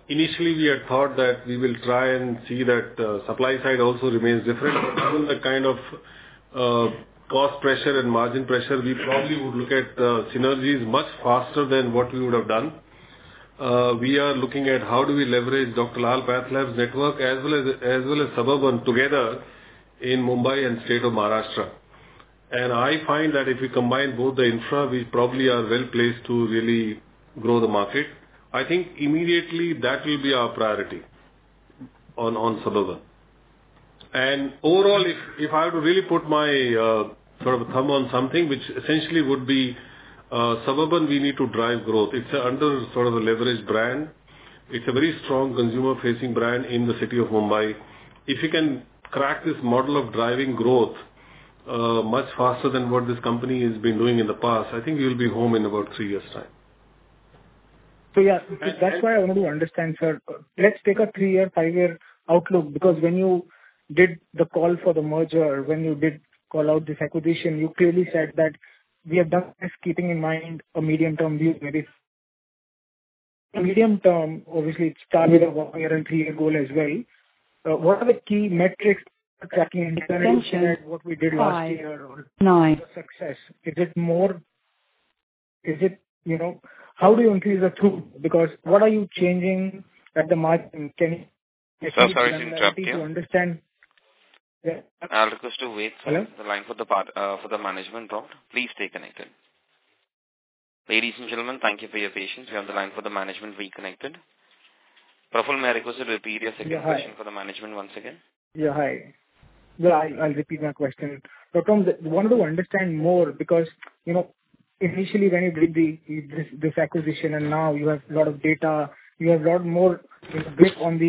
initially we had thought that we will try and see that supply side also remains different. Given the kind of cost pressure and margin pressure, we probably would look at synergies much faster than what we would have done. We are looking at how do we leverage Dr. Lal PathLabs network as well as Suburban together in Mumbai and state of Maharashtra. I find that if we combine both the infra, we probably are well placed to really grow the market. I think immediately that will be our priority on Suburban. Overall, if I were to really put my thumb on something, which essentially would be Suburban Diagnostics, we need to drive growth. It's an underleveraged brand. It's a very strong consumer-facing brand in the city of Mumbai. If we can crack this model of driving growth much faster than what this company has been doing in the past, I think we'll be home in about three years' time. Yeah. And, and- That's why I want to understand, sir. Let's take a three-year, five-year outlook, because when you did the call for the merger, when you did call out this acquisition, you clearly said that we have done this keeping in mind a medium-term view. That is medium-term, obviously it's tied with a one-year and three-year goal as well. What are the key metrics for tracking and comparing? Attention. What we did last year or success? Is it more? Is it, you know, how do you increase the throughput? Because what are you changing at the margin? Can you? Sir, sorry to interrupt you. Explain to understand? Yeah. I'll request you to wait for. Hello? for the management, sir. Please stay connected. Ladies and gentlemen, thank you for your patience. We have the line for the management reconnected. Praful, may I request you to repeat your second question for the management once again. Yeah. Hi. I'll repeat my question. Dr. Om, I want to understand more because, you know, initially when you did this acquisition and now you have lot of data, you have lot more, you know, grip on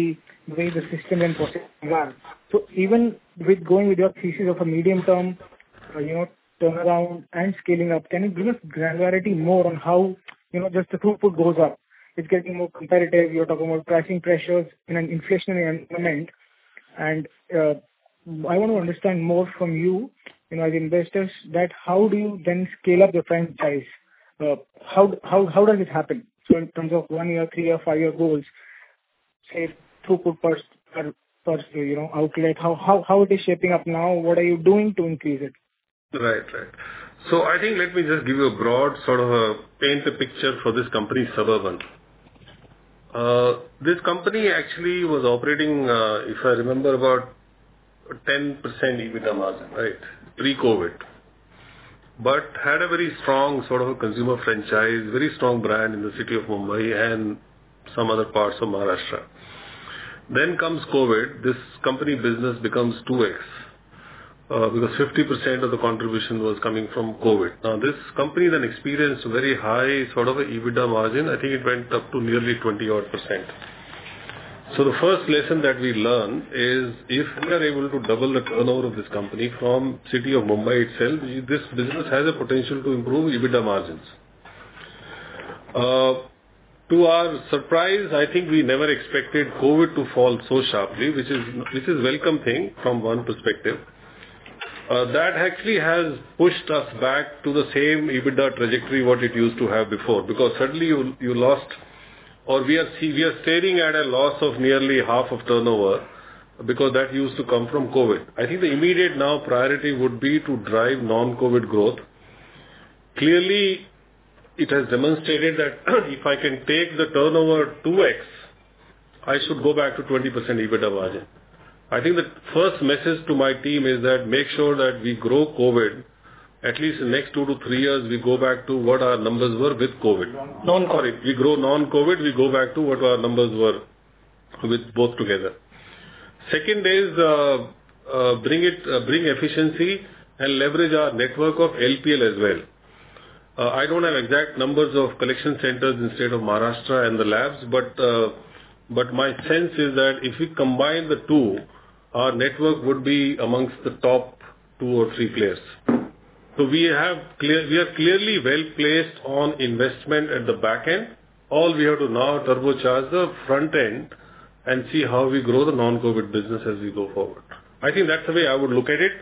the way the system and process run. Even with going with your thesis of a medium-term, you know, turnaround and scaling up, can you give us granularity more on how, you know, just the throughput goes up? It's getting more competitive. You're talking about pricing pressures in an inflationary environment. And I want to understand more from you know, as investors that how do you then scale up your franchise? How does it happen? In terms of one-year, three-year, five-year goals, say, throughput per se, you know, outlet. How it is shaping up now? What are you doing to increase it? Right. I think let me just give you a broad sort of a paint the picture for this company, Suburban. This company actually was operating, if I remember, about 10% EBITDA margin, right? Pre-COVID. Had a very strong sort of a consumer franchise, very strong brand in the city of Mumbai and some other parts of Maharashtra. Comes COVID. This company business becomes 2x, because 50% of the contribution was coming from COVID. Now, this company then experienced very high sort of EBITDA margin. I think it went up to nearly 20-odd%. The first lesson that we learned is if we are able to double the turnover of this company from city of Mumbai itself, this business has a potential to improve EBITDA margins. To our surprise, I think we never expected COVID to fall so sharply, which is welcome thing from one perspective. That actually has pushed us back to the same EBITDA trajectory what it used to have before, because suddenly you lost or we are staring at a loss of nearly half of turnover because that used to come from COVID. I think the immediate now priority would be to drive non-COVID growth. Clearly, it has demonstrated that if I can take the turnover 2x, I should go back to 20% EBITDA margin. I think the first message to my team is that make sure that we grow COVID. At least the next two-three years, we go back to what our numbers were with COVID. Non-COVID. Non-COVID. We grow non-COVID, we go back to what our numbers were with both together. Second is, bring efficiency and leverage our network of LPL as well. I don't have exact numbers of collection centers in state of Maharashtra and the labs, but my sense is that if we combine the two, our network would be among the top two or three players. We are clearly well-placed on investment at the back end. All we have to now turbocharge the front end and see how we grow the non-COVID business as we go forward. I think that's the way I would look at it.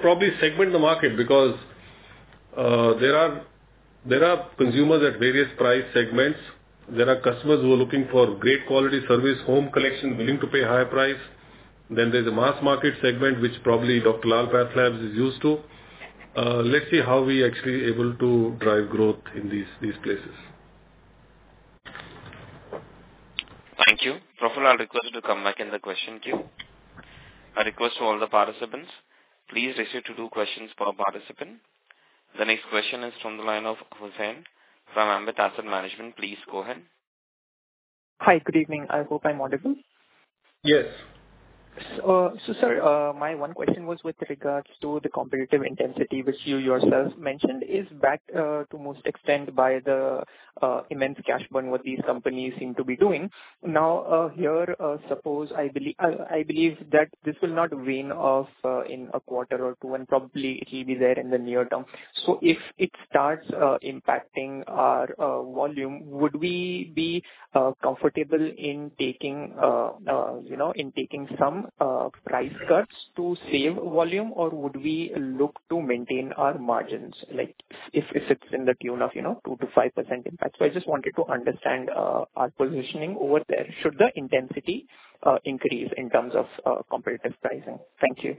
Probably segment the market because there are consumers at various price segments. There are customers who are looking for great quality service, home collection, willing to pay a higher price. There's a mass market segment, which probably Dr. Lal PathLabs is used to. Let's see how we actually able to drive growth in these places. Thank you. Praful, I'll request you to come back in the question queue. I request to all the participants, please raise your two questions per participant. The next question is from the line of Hussain from Ambit Asset Management. Please go ahead. Hi, good evening. I'll go by uncertain. Yes. Sir, my one question was with regards to the competitive intensity which you yourself mentioned is backed to most extent by the immense cash burn what these companies seem to be doing. Here, suppose I believe that this will not wane off in a quarter or two, and probably it'll be there in the near term. If it starts impacting our volume, would we be comfortable in taking you know in taking some price cuts to save volume? Or would we look to maintain our margins like if it's to the tune of you know 2%-5% impact? I just wanted to understand our positioning over there should the intensity increase in terms of competitive pricing. Thank you.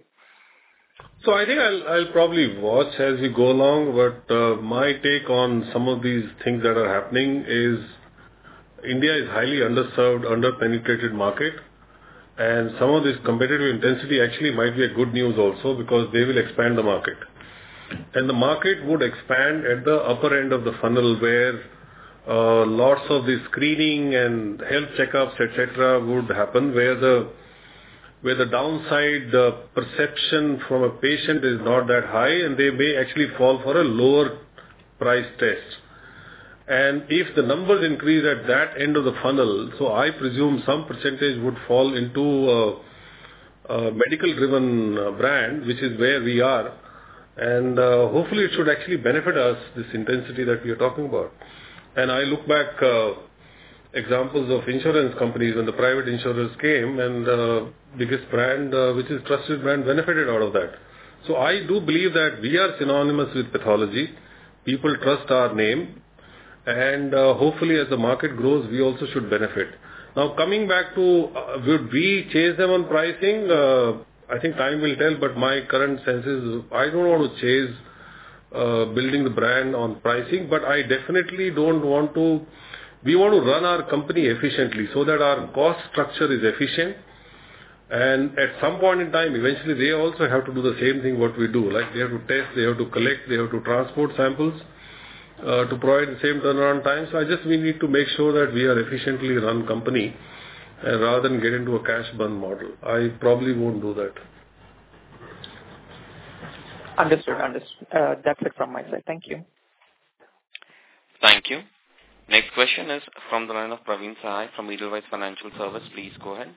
I think I'll probably watch as we go along. My take on some of these things that are happening is India is highly underserved, under-penetrated market, and some of this competitive intensity actually might be good news also because they will expand the market. The market would expand at the upper end of the funnel, where lots of the screening and health checkups, et cetera, would happen, where the downside perception from a patient is not that high, and they may actually fall for a lower price test. If the numbers increase at that end of the funnel, I presume some percentage would fall into a medical-driven brand, which is where we are. Hopefully, it should actually benefit us, this intensity that we are talking about. I look back examples of insurance companies when the private insurance came and the biggest brand, which is trusted brand benefited out of that. I do believe that we are synonymous with pathology. People trust our name, and hopefully, as the market grows, we also should benefit. Now, coming back to would we chase them on pricing? I think time will tell, but my current sense is I don't want to chase building the brand on pricing, but I definitely don't want to. We want to run our company efficiently so that our cost structure is efficient. And at some point in time, eventually they also have to do the same thing what we do. Like, they have to test, they have to collect, they have to transport samples to provide the same turnaround time. We need to make sure that we are efficiently run company, rather than get into a cash burn model. I probably won't do that. Understood. That's it from my side. Thank you. Thank you. Next question is from the line of Praveen Sahay from Edelweiss Financial Services. Please go ahead.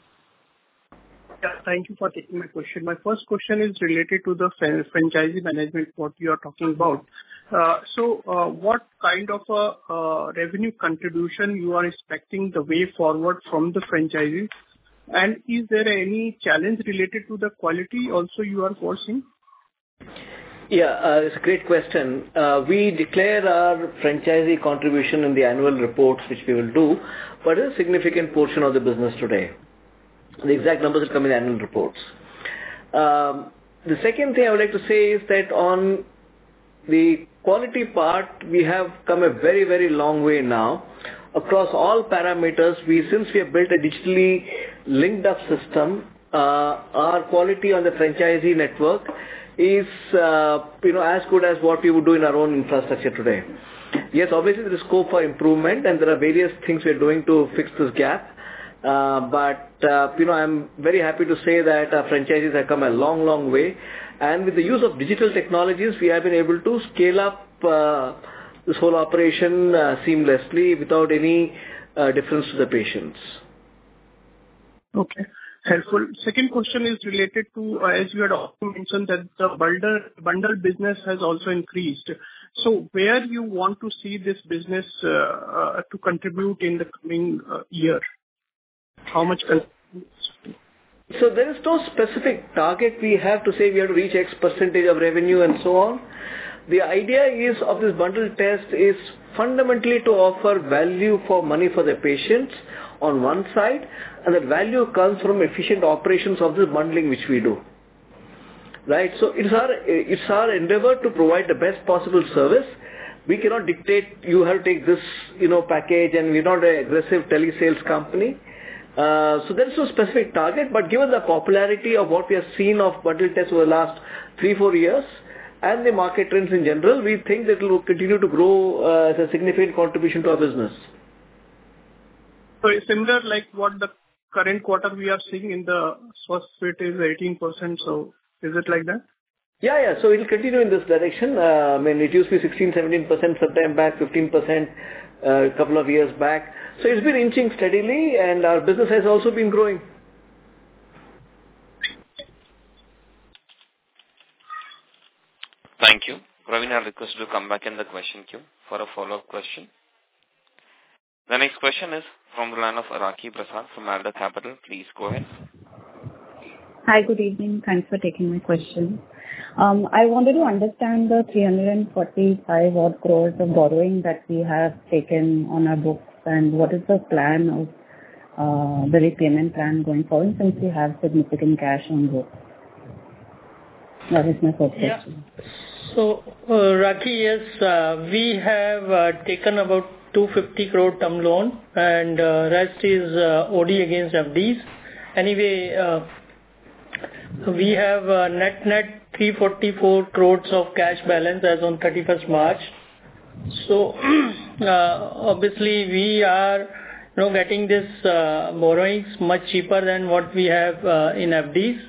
Yeah, thank you for taking my question. My first question is related to the franchisee management, what you are talking about. So, what kind of a revenue contribution you are expecting the way forward from the franchisees? And is there any challenge related to the quality also you are facing? Yeah, it's a great question. We declare our franchisee contribution in the annual reports, which we will do, but it is a significant portion of the business today. The exact numbers will come in the annual reports. The second thing I would like to say is that on the quality part, we have come a very, very long way now. Across all parameters, since we have built a digitally linked up system, our quality on the franchisee network is, you know, as good as what we would do in our own infrastructure today. Yes, obviously, there is scope for improvement, and there are various things we are doing to fix this gap. You know, I'm very happy to say that our franchises have come a long, long way. With the use of digital technologies, we have been able to scale up, this whole operation, seamlessly without any, difference to the patients. Okay. Helpful. Second question is related to, as you had also mentioned, that the bundle, bundled business has also increased. Where do you want to see this business to contribute in the coming year? How much? There is no specific target we have to say we have to reach X percentage of revenue and so on. The idea is of this bundled test is fundamentally to offer value for money for the patients on one side, and the value comes from efficient operations of this bundling, which we do, right? It's our endeavor to provide the best possible service. We cannot dictate you have to take this, you know, package, and we're not an aggressive telesales company. There's no specific target. Given the popularity of what we have seen of bundled tests over the last three, four years and the market trends in general, we think that it will continue to grow as a significant contribution to our business. It's similar, like what the current quarter we are seeing in the first quarter is 18%, so is it like that? Yeah. It'll continue in this direction. I mean, it used to be 16%-17% sometime back, 15% a couple of years back. It's been inching steadily, and our business has also been growing. Thank you. Praveen, I request you to come back in the question queue for a follow-up question. The next question is from the line of Rakhi Prasad from Avendus Capital. Please go ahead. Hi. Good evening. Thanks for taking my question. I wanted to understand the 345 odd crore of borrowing that we have taken on our books and what is the plan of, the repayment plan going forward, since you have significant cash on books. That is my first question. Yeah. Rakhi, yes, we have taken about 250 crore term loan and rest is OD against FDs. Anyway, we have net-net 344 crores of cash balance as on 31st March. Obviously we are now getting these borrowings much cheaper than what we have in FDs.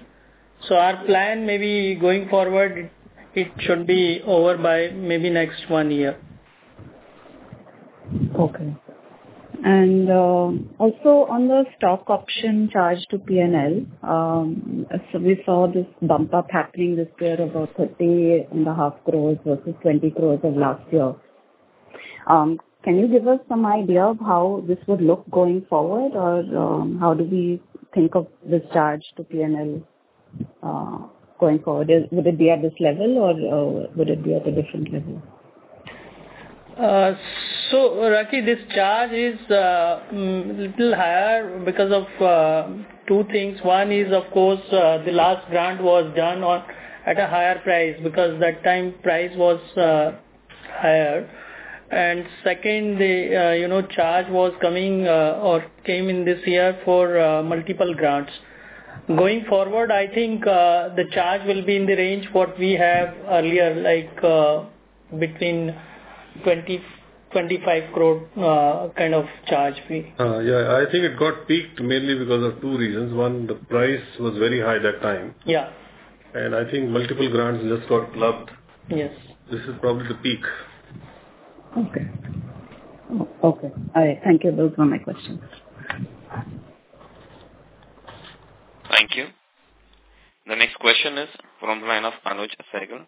Our plan maybe going forward, it should be over by maybe next one year. Okay. Also on the stock option charge to P&L, so we saw this bump up happening this year about 30.5 crores versus 20 crores of last year. Can you give us some idea of how this would look going forward? Or, how do we think of this charge to P&L, going forward? Would it be at this level or would it be at a different level? Rakhi, this charge is little higher because of two things. One is, of course, the last grant was done at a higher price because that time price was higher. Second, you know, charge came in this year for multiple grants. Going forward, I think, the charge will be in the range what we have earlier, like, between 20 crore-25 crore kind of charge fee. Yeah. I think it got peaked mainly because of two reasons. One, the price was very high that time. Yeah. I think multiple grants just got clubbed. Yes. This is probably the peak. Okay. All right. Thank you both for my questions. Thank you. The next question is from the line of Anuj Sehgal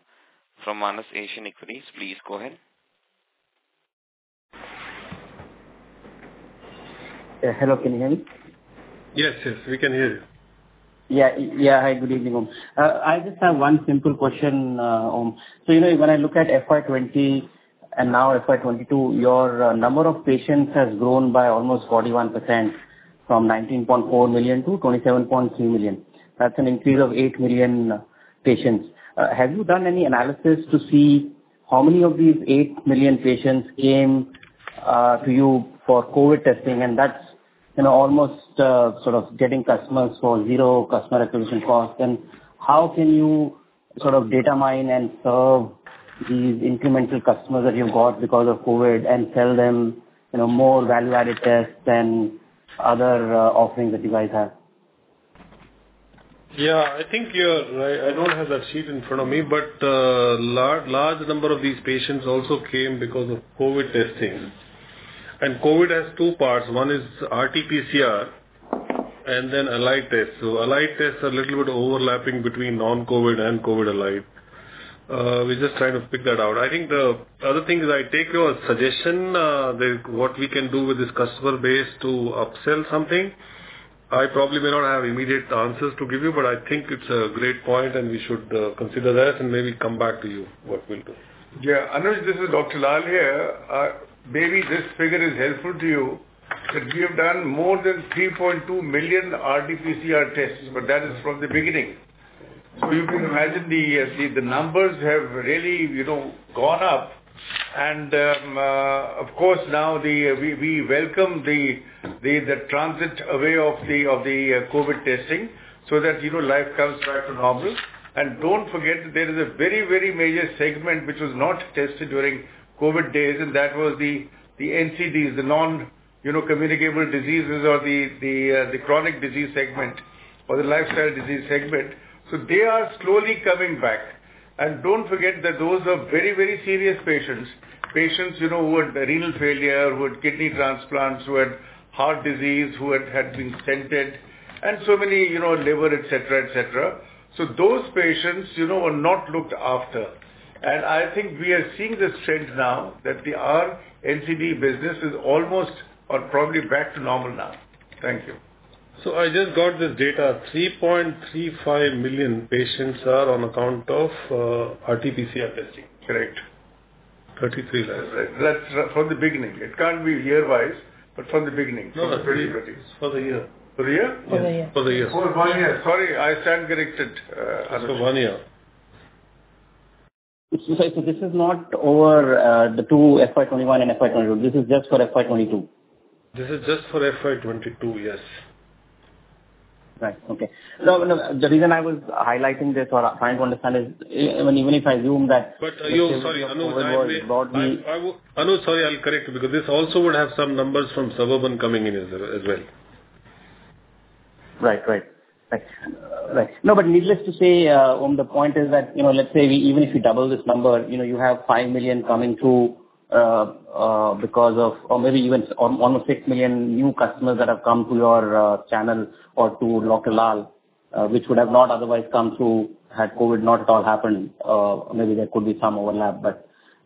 from Manas Asian Equities. Please go ahead. Yeah. Hello. Can you hear me? Yes. Yes. We can hear you. Yeah. Yeah. Hi. Good evening. I just have one simple question, Om. You know, when I look at FY 2020 and now FY 2022, your number of patients has grown by almost 41% from 19.4 million to 27.3 million. That's an increase of eight million patients. Have you done any analysis to see how many of these eight million patients came to you for COVID testing? And that's, you know, almost sort of getting customers for zero customer acquisition cost. And how can you sort of data mine and serve these incremental customers that you've got because of COVID and sell them, you know, more value-added tests and other offerings that you guys have? Yeah. I think you're right. I don't have that sheet in front of me, but a large number of these patients also came because of COVID testing. COVID has two parts. One is RT-PCR and then Allied test. Allied tests are a little bit overlapping between non-COVID and COVID-Allied. We're just trying to pick that out. I think the other thing is I take your suggestion, that what we can do with this customer base to upsell something. I probably may not have immediate answers to give you, but I think it's a great point, and we should consider that and maybe come back to you what we'll do. Yeah. Anuj, this is Dr. Lal here. Maybe this figure is helpful to you, but we have done more than 3.2 million RT-PCR tests, but that is from the beginning. You can imagine the numbers have really, you know, gone up. Of course, now we welcome the transit away of the COVID testing so that, you know, life comes back to normal. Don't forget that there is a very, very major segment which was not tested during COVID days, and that was the NCDs, the non, you know, communicable diseases or the chronic disease segment or the lifestyle disease segment. They are slowly coming back. Don't forget that those are very, very serious patients. Patients, you know, who had renal failure, who had kidney transplants, who had heart disease, who had been stented, and so many, you know, liver, et cetera, et cetera. Those patients, you know, were not looked after. I think we are seeing this trend now that our NCD business is almost or probably back to normal now. Thank you. I just got this data, 3.35 million patients are on account of RTPCR testing. Correct. 33 lakhs. That's from the beginning. It can't be year-wise, but from the beginning. No, no. Thirty-three. For the year. For the year? For the year. For the year. For one year. Sorry, I stand corrected. It's for one year. This is not over the two FY 21 and FY 22. This is just for FY 22. This is just for FY 22, yes. Right. Okay. No, no, the reason I was highlighting this or trying to understand is even if I assume that. Sorry, Anuj Sehgal, I'll correct you because this also would have some numbers from Suburban coming in as well. Right. No, needless to say, Om, the point is that, you know, let's say we even if you double this number, you know, you have five million coming through, because of or maybe even almost six million new customers that have come to your channel or to Dr. Lal, which would have not otherwise come through had COVID not at all happened. Maybe there could be some overlap.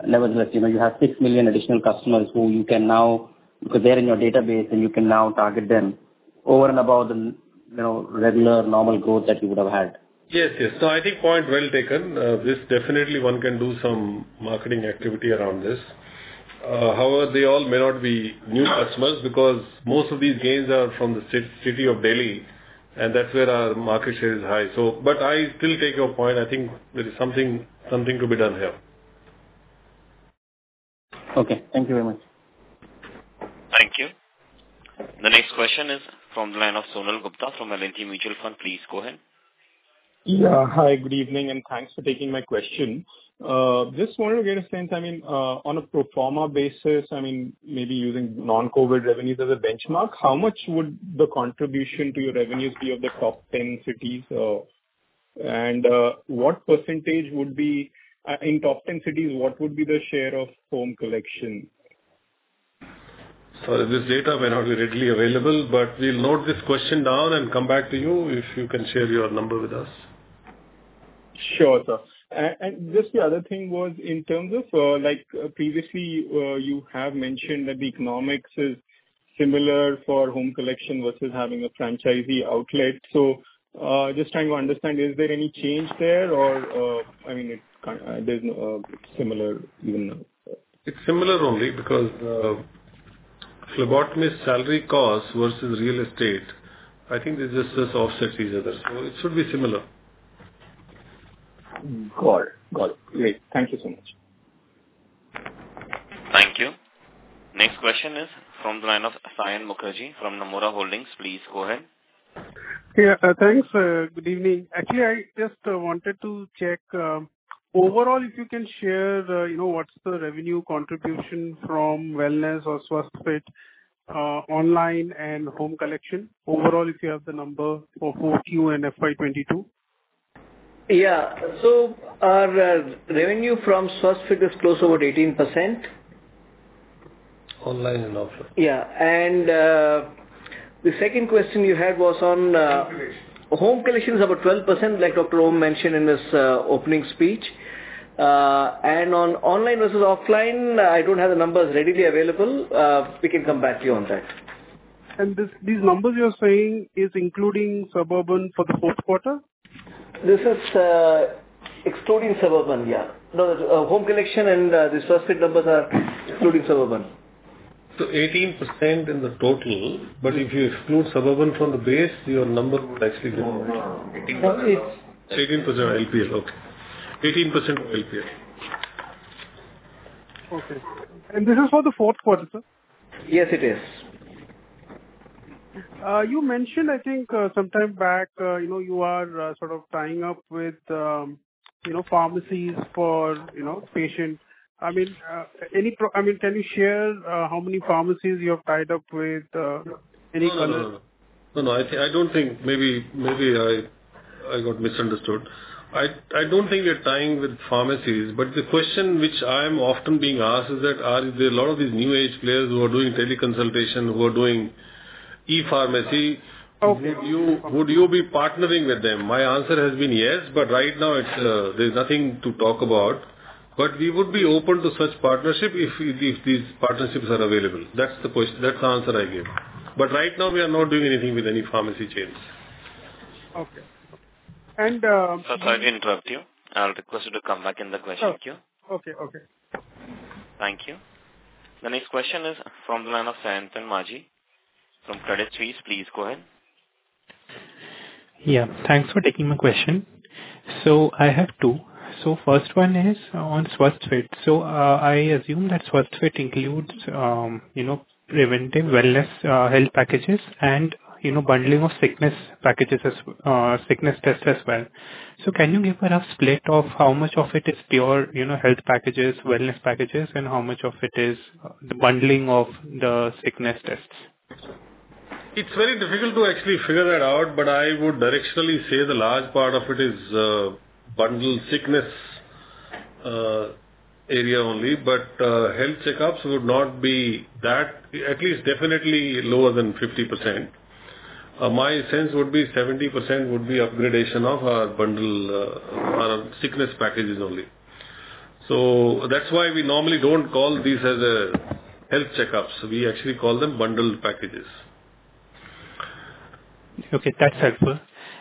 Nevertheless, you know, you have 6 million additional customers who you can now, because they're in your database and you can now target them over and above the, you know, regular normal growth that you would have had. Yes, yes. I think point well taken. This definitely one can do some marketing activity around this. However, they all may not be new customers because most of these gains are from the city of Delhi, and that's where our market share is high. I still take your point. I think there is something to be done here. Okay. Thank you very much. Thank you. The next question is from the line of Sonal Gupta from L&T Mutual Fund. Please go ahead. Yeah. Hi, good evening, and thanks for taking my question. Just wanted to understand, I mean, on a pro forma basis, I mean, maybe using non-COVID revenues as a benchmark, how much would the contribution to your revenues be of the top 10 cities? What percentage would be in top 10 cities, what would be the share of home collection? This data may not be readily available, but we'll note this question down and come back to you if you can share your number with us. Sure, sir. Just the other thing was in terms of, like previously, you have mentioned that the economics is similar for home collection versus having a franchisee outlet. Just trying to understand, is there any change there or, I mean, there's no similar even. It's similar only because, phlebotomist salary cost versus real estate, I think this just offsets each other. It should be similar. Got it. Got it. Great. Thank you so much. Thank you. Next question is from the line of Saion Mukherjee from Nomura Holdings. Please go ahead. Yeah. Thanks. Good evening. Actually, I just wanted to check overall, if you can share, you know, what's the revenue contribution from Wellness or Swasthfit, online and home collection. Overall, if you have the number for Q and FY 2022. Yeah. So our revenue from Swasthfit is close to about 18%. Online and offline. Yeah. The second question you had was on. Home collection. Home collection is about 12%, like Dr. Om mentioned in his opening speech. On online versus offline, I don't have the numbers readily available. We can come back to you on that. These numbers you're saying is including Suburban for the fourth quarter? This is excluding Suburban, yeah. No, the home collection and the Swasthfit numbers are excluding Suburban. 18% in the total, but if you exclude Suburban from the base, your number would actually be- No, no. 18% of LPL. Okay. This is for the fourth quarter, sir? Yes, it is. You mentioned, I think, some time back, you know, you are sort of tying up with, you know, pharmacies for, you know, patients. I mean, can you share how many pharmacies you have tied up with, any color- No, no. I don't think maybe I got misunderstood. I don't think we're tying with pharmacies, but the question which I'm often being asked is that are there a lot of these new age players who are doing teleconsultation, who are doing e-pharmacy. Okay. Would you be partnering with them? My answer has been yes, but right now it's, there's nothing to talk about. We would be open to such partnership if these partnerships are available. That's the answer I gave. Right now we are not doing anything with any pharmacy chains. Okay. Sir, sorry to interrupt you. I'll request you to come back in the question queue. Okay. Thank you. The next question is from the line of Sayantan Majhi from Credit Suisse. Please go ahead. Yeah. Thanks for taking my question. I have two. First one is on Swasthfit. I assume that Swasthfit includes, you know, preventive wellness, health packages and, you know, bundling of sickness packages as sickness tests as well. Can you give us a split of how much of it is pure, you know, health packages, wellness packages, and how much of it is the bundling of the sickness tests? It's very difficult to actually figure that out, but I would directionally say the large part of it is bundled sickness area only. Health checkups would not be that. At least definitely lower than 50%. My sense would be 70% would be upgradation of our bundle, our sickness packages only. That's why we normally don't call these as health checkups. We actually call them bundled packages. Okay, that's helpful.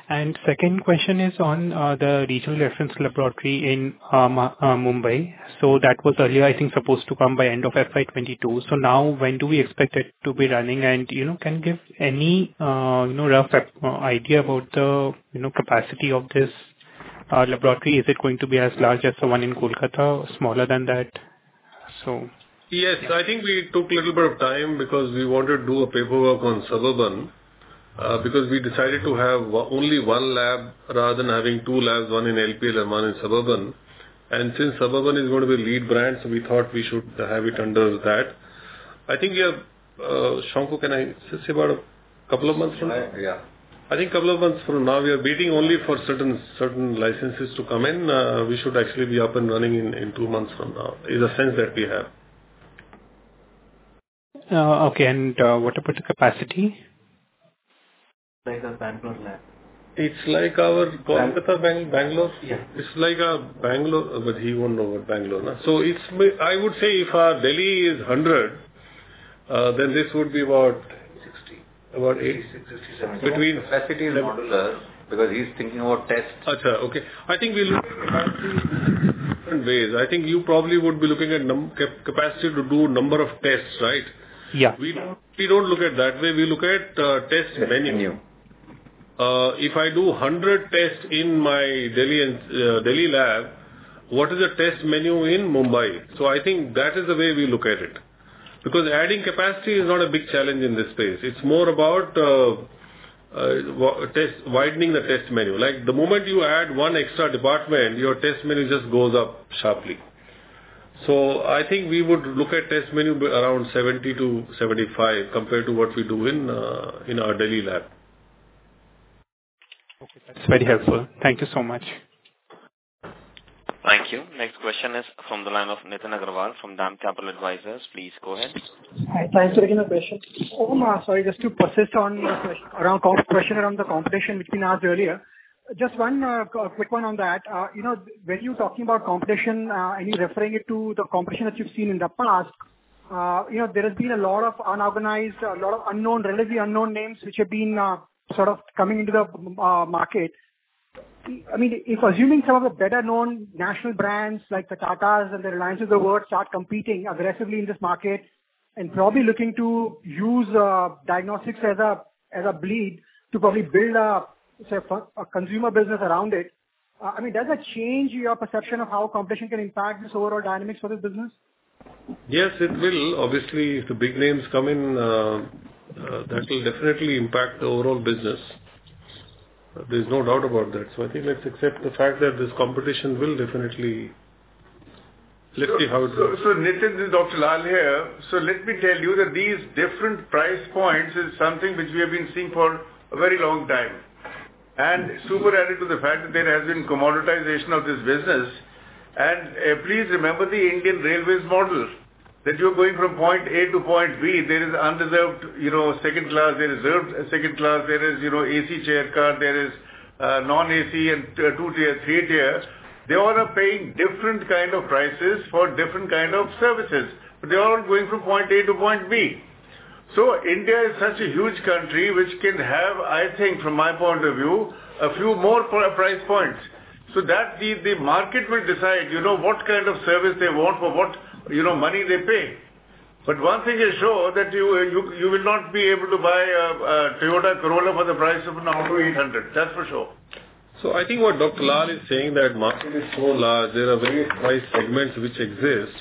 Second question is on the regional reference laboratory in Mumbai. That was earlier, I think, supposed to come by end of FY 2022. Now when do we expect it to be running? You know, can you give any you know, rough idea about the you know, capacity of this laboratory? Is it going to be as large as the one in Kolkata or smaller than that? Yes. I think we took a little bit of time because we wanted to do a paperwork on Suburban, because we decided to have only one lab rather than having two labs, one in LPL and one in Suburban. Since Suburban is going to be lead brand, so we thought we should have it under that. I think we have, Shankhu, can I say about a couple of months from now? Yes, yeah. I think couple of months from now. We are waiting only for certain licenses to come in. We should actually be up and running in two months from now, is a sense that we have. Okay. What about the capacity? Like our Bangalore lab. It's like our Kolkata, Bangalore? Yeah. It's like our Bangalore. But he won't know about Bangalore. I would say if our Delhi is 100, then this would be about- Sixty. About eight- 60, 70. Between- Capacity is modular because he's thinking about tests. Acha, okay. I think we look at capacity in different ways. I think you probably would be looking at capacity to do number of tests, right? Yeah. We don't look at that way. We look at test menu. If I do 100 tests in my Delhi and Delhi lab, what is the test menu in Mumbai? I think that is the way we look at it. Adding capacity is not a big challenge in this space. It's more about widening the test menu. Like, the moment you add one extra department, your test menu just goes up sharply. I think we would look at test menu around 70-75 compared to what we do in our Delhi lab. Okay, that's very helpful. Thank you so much. Thank you. Next question is from the line of Nitin Agarwal from DAM Capital Advisors. Please go ahead. Hi. Thanks for taking the question. Sorry, just to persist on your question around the competition which we asked earlier. Just one quick one on that. You know, when you're talking about competition, and you're referring it to the competition that you've seen in the past, you know, there has been a lot of unorganized, a lot of unknown, relatively unknown names which have been sort of coming into the market. I mean, if assuming some of the better-known national brands like the Tatas and the Reliances of the world start competing aggressively in this market and probably looking to use diagnostics as a lead to probably build a, say, a consumer business around it, I mean, does that change your perception of how competition can impact this overall dynamics for this business? Yes, it will. Obviously, if the big names come in, that will definitely impact the overall business. There's no doubt about that. I think let's accept the fact that this competition will definitely. Let's see how it goes. Nitin, this is Dr. Lal here. Let me tell you that these different price points is something which we have been seeing for a very long time. Super added to the fact that there has been commoditization of this business. Please remember the Indian Railways model, that you're going from point A to point B, there is unreserved, you know, second class, there is reserved second class, there is, you know, AC chair car, there is non-AC and two tier, three tier. They all are paying different kind of prices for different kind of services. They're all going from point A to point B. India is such a huge country which can have, I think from my point of view, a few more price points. that the market will decide, you know, what kind of service they want for what, you know, money they pay. One thing is sure that you will not be able to buy a Toyota Corolla for the price of an Alto 800. That's for sure. I think what Dr. Lal is saying is that the market is so large. There are various price segments which exist.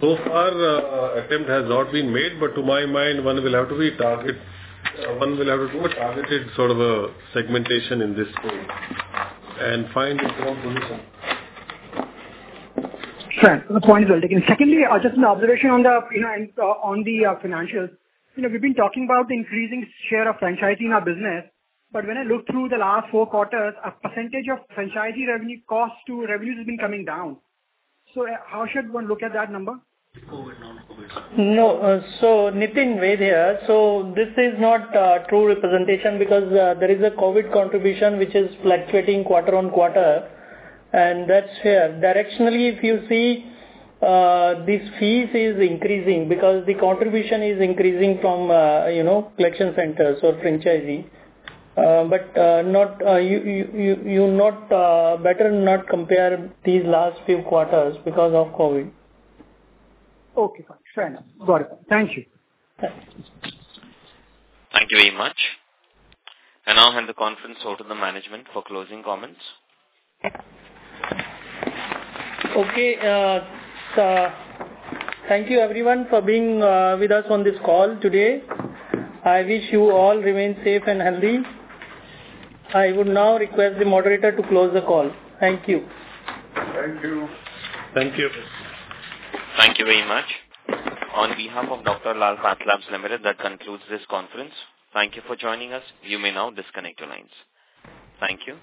So far, no attempt has been made, but to my mind, one will have to do a targeted sort of a segmentation in this space and find its own position. Sure. The point is well taken. Secondly, just an observation on the, you know, financials. You know, we've been talking about increasing share of franchising our business, but when I look through the last four quarters, a percentage of franchisee revenue cost to revenue has been coming down. How should one look at that number? The COVID, non-COVID. No, Nitin, Ved here. This is not a true representation because there is a COVID contribution which is fluctuating quarter-over-quarter, and that's here. Directionally, if you see, these fees is increasing because the contribution is increasing from, you know, collection centers or franchisee. Better not compare these last few quarters because of COVID. Okay, fine. Fair enough. Got it. Thank you. Thanks. Thank you very much. I now hand the conference over to the management for closing comments. Okay. Thank you everyone for being with us on this call today. I wish you all remain safe and healthy. I would now request the moderator to close the call. Thank you. Thank you. Thank you. Thank you very much. On behalf of Dr. Lal PathLabs Limited, that concludes this conference. Thank you for joining us. You may now disconnect your lines. Thank you.